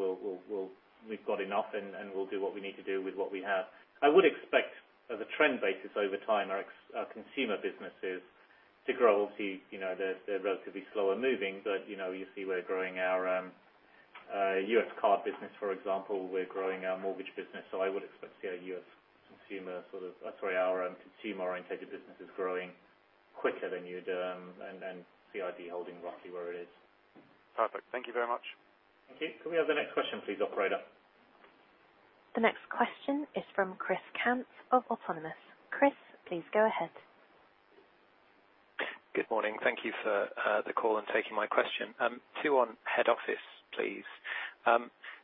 We've got enough, and we'll do what we need to do with what we have. I would expect as a trend basis over time, our consumer businesses to grow. Obviously, they're relatively slower moving. You see we're growing our U.S. card business, for example. We're growing our mortgage business. I would expect to see Sorry, our consumer-orientated businesses growing quicker than you'd. CIB holding roughly where it is. Perfect. Thank you very much. Thank you. Can we have the next question please, operator? The next question is from Chris Cant of Autonomous. Chris, please go ahead. Good morning. Thank you for the call and taking my question. Two on head office, please.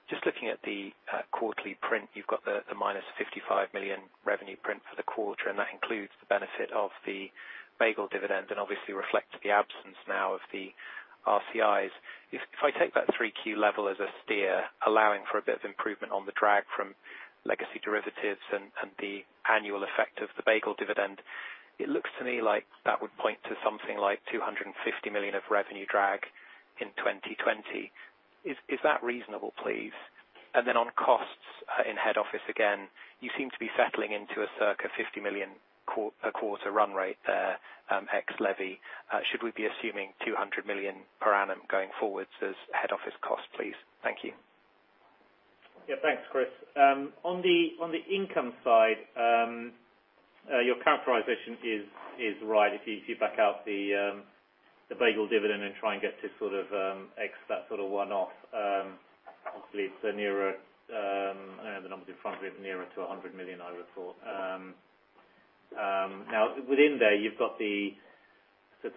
Just looking at the quarterly print, you've got the minus 55 million revenue print for the quarter, and that includes the benefit of the Absa dividend and obviously reflects the absence now of the RCIs. If I take that 3Q level as a steer, allowing for a bit of improvement on the drag from legacy derivatives and the annual effect of the Absa dividend, it looks to me like that would point to something like 250 million of revenue drag in 2020. Is that reasonable, please? On costs in head office again, you seem to be settling into a circa 50 million a quarter run rate there, ex levy. Should we be assuming 200 million per annum going forwards as head office cost, please? Thank you. Thanks, Chris. On the income side, your characterization is right. If you back out the Absa dividend and try and get to sort of ex that sort of one-off, hopefully I don't have the numbers in front of me, but nearer to GBP 100 million, I would have thought. Within there, you've got the hedge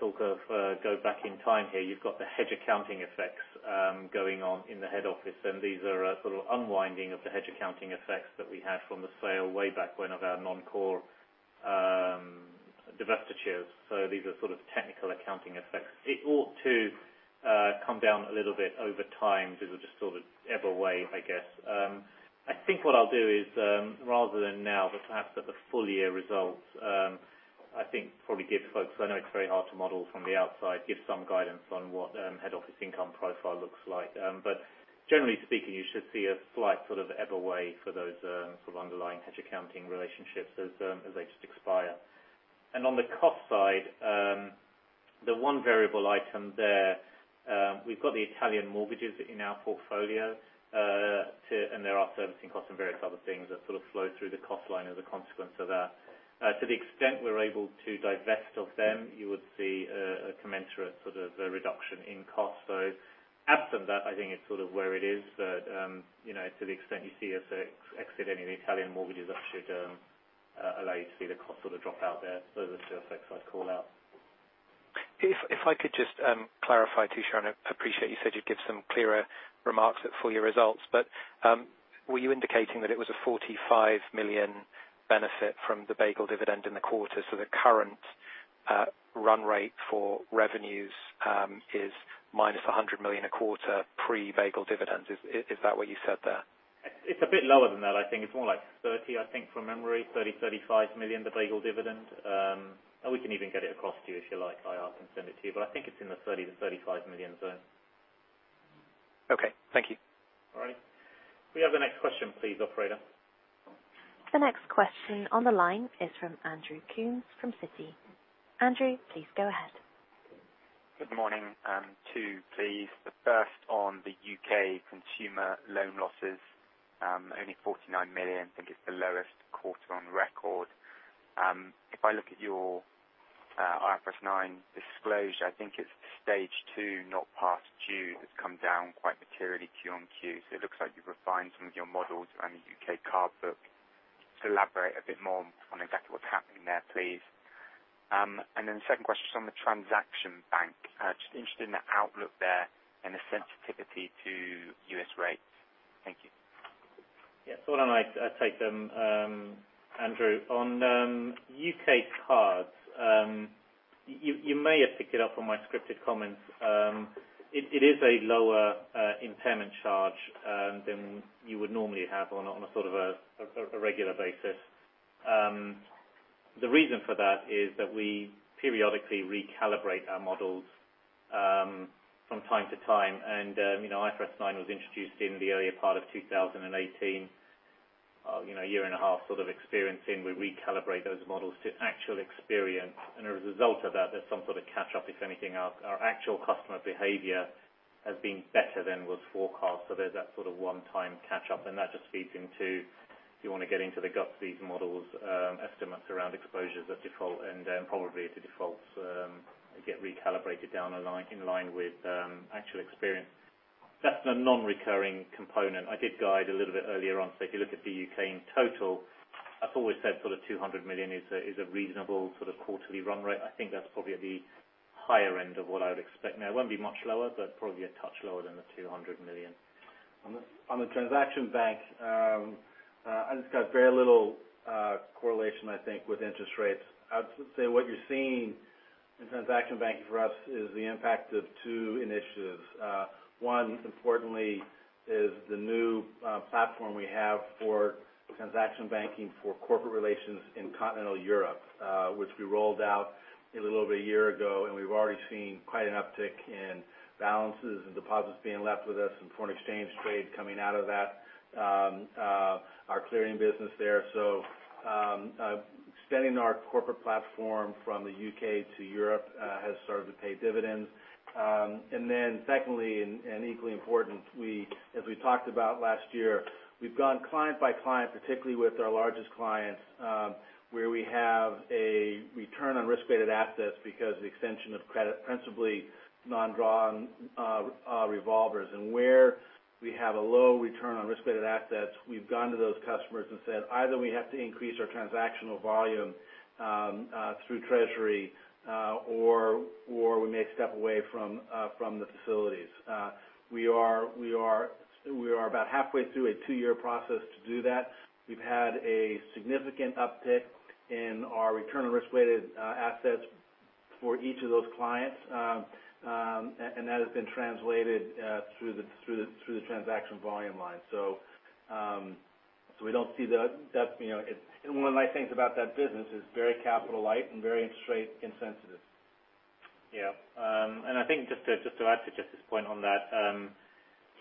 accounting effects going on in the head office. These are a sort of unwinding of the hedge accounting effects that we had from the sale way back when of our non-core divestitures. These are sort of technical accounting effects. It ought to come down a little bit over time. These are just sort of ebb away, I guess. I think what I'll do is, rather than now, but perhaps at the full year results, I think probably give folks, because I know it's very hard to model from the outside, give some guidance on what head office income profile looks like. Generally speaking, you should see a slight sort of ebb away for those sort of underlying hedge accounting relationships as they just expire. On the cost side, the one variable item there, we've got the Italian mortgages in our portfolio, and there are servicing costs and various other things that sort of flow through the cost line as a consequence of that. To the extent we're able to divest of them, you would see a commensurate sort of reduction in cost. Absent that, I think it's sort of where it is. To the extent you see us exiting the Italian mortgages, that should allow you to see the cost sort of drop out there. Those are the two effects I'd call out. If I could just clarify too, Tushar. I appreciate you said you'd give some clearer remarks at full year results, but. Were you indicating that it was a 45 million benefit from the Absa dividend in the quarter, so the current run rate for revenues is minus 100 million a quarter pre-Absa dividends? Is that what you said there? It's a bit lower than that. I think it's more like 30 million, I think, from memory, 30 million, 35 million, the Absa dividend. We can even get it across to you if you like. I can send it to you. I think it's in the 30 million-35 million zone. Okay. Thank you. All right. Can we have the next question please, operator? The next question on the line is from Andrew Coombs from Citi. Andrew, please go ahead. Good morning. Two, please. The first on the U.K. consumer loan losses, only 49 million. I think it's the lowest quarter on record. If I look at your IFRS 9 disclosure, I think it's stage 2 not past due that's come down quite materially QOQ. It looks like you've refined some of your models around the U.K. card book. Elaborate a bit more on exactly what's happening there, please. The second question is on the transaction bank. Just interested in the outlook there and the sensitivity to U.S. rates. Thank you. Yeah. Why don't I take them, Andrew. On U.K. cards, you may have picked it up from my scripted comments. It is a lower impairment charge than you would normally have on a regular basis. The reason for that is that we periodically recalibrate our models from time to time. IFRS 9 was introduced in the earlier part of 2018. A year and a half of experiencing, we recalibrate those models to actual experience. As a result of that, there's some sort of catch-up, if anything. Our actual customer behavior has been better than was forecast. There's that one-time catch-up. That just feeds into, if you want to get into the guts of these models, estimates around exposures that default, and probably the defaults get recalibrated down in line with actual experience. That's the non-recurring component. I did guide a little bit earlier on. If you look at the U.K. in total, as Alvaro said, 200 million is a reasonable sort of quarterly run rate. I think that's probably at the higher end of what I would expect now. It won't be much lower, but probably a touch lower than the 200 million. On the transaction bank, it's got very little correlation, I think, with interest rates. I'd say what you're seeing in transaction banking for us is the impact of two initiatives. One, importantly, is the new platform we have for transaction banking for corporate relations in continental Europe, which we rolled out a little over a year ago, and we've already seen quite an uptick in balances and deposits being left with us and foreign exchange trade coming out of that, our clearing business there. Extending our corporate platform from the U.K. to Europe has started to pay dividends. Secondly, and equally important, as we talked about last year, we've gone client by client, particularly with our largest clients, where we have a return on risk-weighted assets because the extension of credit, principally non-drawn revolvers. Where we have a low return on risk-weighted assets, we've gone to those customers and said, either we have to increase our transactional volume through treasury, or we may step away from the facilities. We are about halfway through a 2-year process to do that. We've had a significant uptick in our return on risk-weighted assets for each of those clients. That has been translated through the transaction volume line. One of the nice things about that business is very capital light and very interest rate insensitive. Yeah. I think just to add to Jes's point on that.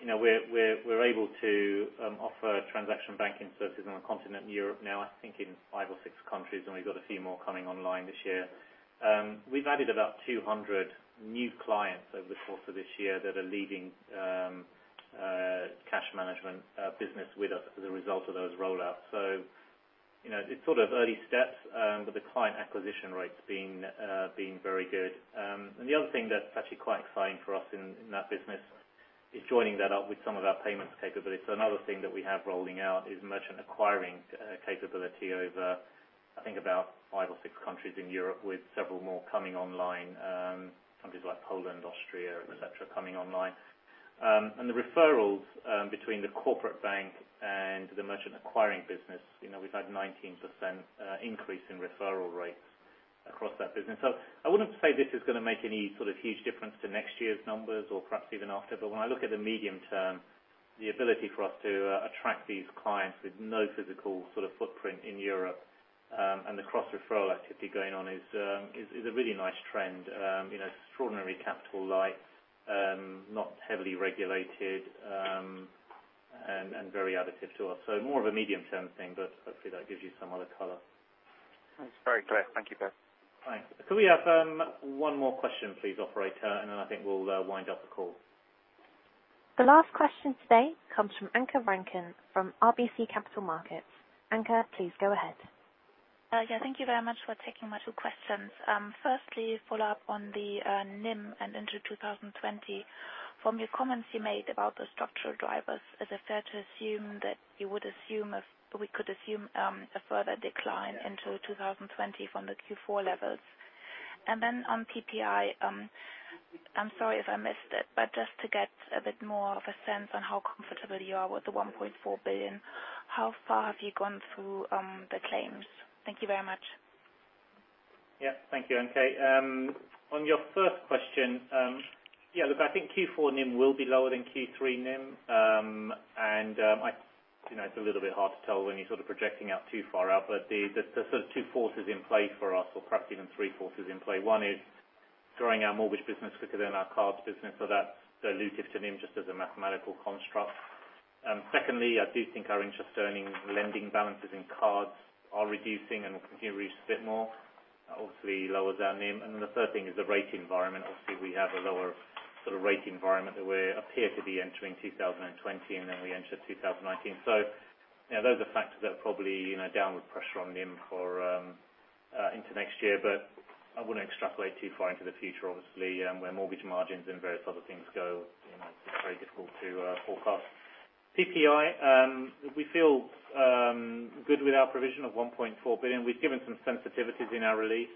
We're able to offer transaction banking services on the continent in Europe now, I think in five or six countries, and we've got a few more coming online this year. We've added about 200 new clients over the course of this year that are leaving cash management business with us as a result of those rollouts. It's early steps, but the client acquisition rate's been very good. The other thing that's actually quite exciting for us in that business is joining that up with some of our payments capabilities. Another thing that we have rolling out is merchant acquiring capability over, I think, about five or six countries in Europe, with several more coming online. Countries like Poland, Austria, et cetera, coming online. The referrals between the corporate bank and the merchant acquiring business. We've had 19% increase in referral rates across that business. I wouldn't say this is going to make any huge difference to next year's numbers or perhaps even after. When I look at the medium term, the ability for us to attract these clients with no physical footprint in Europe, and the cross-referral activity going on is a really nice trend. Extraordinary capital light, not heavily regulated, and very additive to us. More of a medium-term thing, but hopefully that gives you some other color. That's very clear. Thank you both. Thanks. Could we have one more question please, operator? Then I think we'll wind up the call. The last question today comes from Anke Reingen from RBC Capital Markets. Anke, please go ahead. Yeah. Thank you very much for taking my two questions. Firstly, follow up on the NIM into 2020. From your comments you made about the structural drivers, is it fair to assume that we could assume a further decline into 2020 from the Q4 levels? On PPI, I'm sorry if I missed it, but just to get a bit more of a sense on how comfortable you are with the 1.4 billion. How far have you gone through the claims? Thank you very much. Yeah. Thank you, Anke. On your first question, yeah, look, I think Q4 NIM will be lower than Q3 NIM. It's a little bit hard to tell when you're sort of projecting out too far out, but there's sort of two forces in play for us, or perhaps even three forces in play. One is growing our mortgage business quicker than our cards business, so that's dilutive to NIM just as a mathematical construct. Secondly, I do think our interest earnings lending balances in cards are reducing and will continue to reduce a bit more. Obviously, lowers our NIM. The third thing is the rate environment. Obviously, we have a lower sort of rate environment that we appear to be entering 2020, than we entered 2019. Those are factors that are probably downward pressure on NIM into next year. I wouldn't extrapolate too far into the future, obviously, where mortgage margins and various other things go, it's very difficult to forecast. PPI, we feel good with our provision of 1.4 billion. We've given some sensitivities in our release,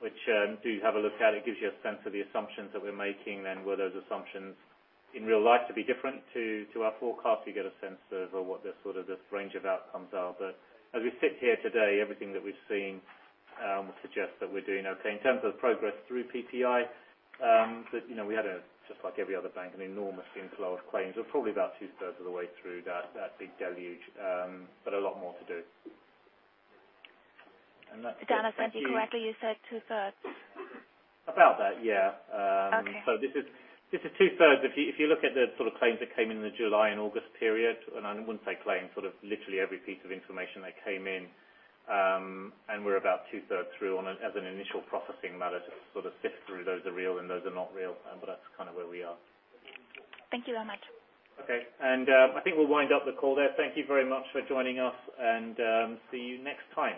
which do have a look at. It gives you a sense of the assumptions that we're making, and were those assumptions in real life to be different to our forecast, you get a sense of what the sort of the range of outcomes are. As we sit here today, everything that we've seen would suggest that we're doing okay. In terms of progress through PPI, we had, just like every other bank, an enormous inflow of claims. We're probably about two-thirds of the way through that big deluge, but a lot more to do. Did I understand you correctly, you said two-thirds? About that, yeah. Okay. This is two-thirds. If you look at the sort of claims that came in the July and August period, and I wouldn't say claims, sort of literally every piece of information that came in, and we're about two-thirds through as an initial processing matter to sort of sift through those are real and those are not real, but that's kind of where we are. Thank you very much. Okay. I think we'll wind up the call there. Thank you very much for joining us, and see you next time.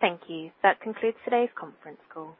Thank you. That concludes today's conference call.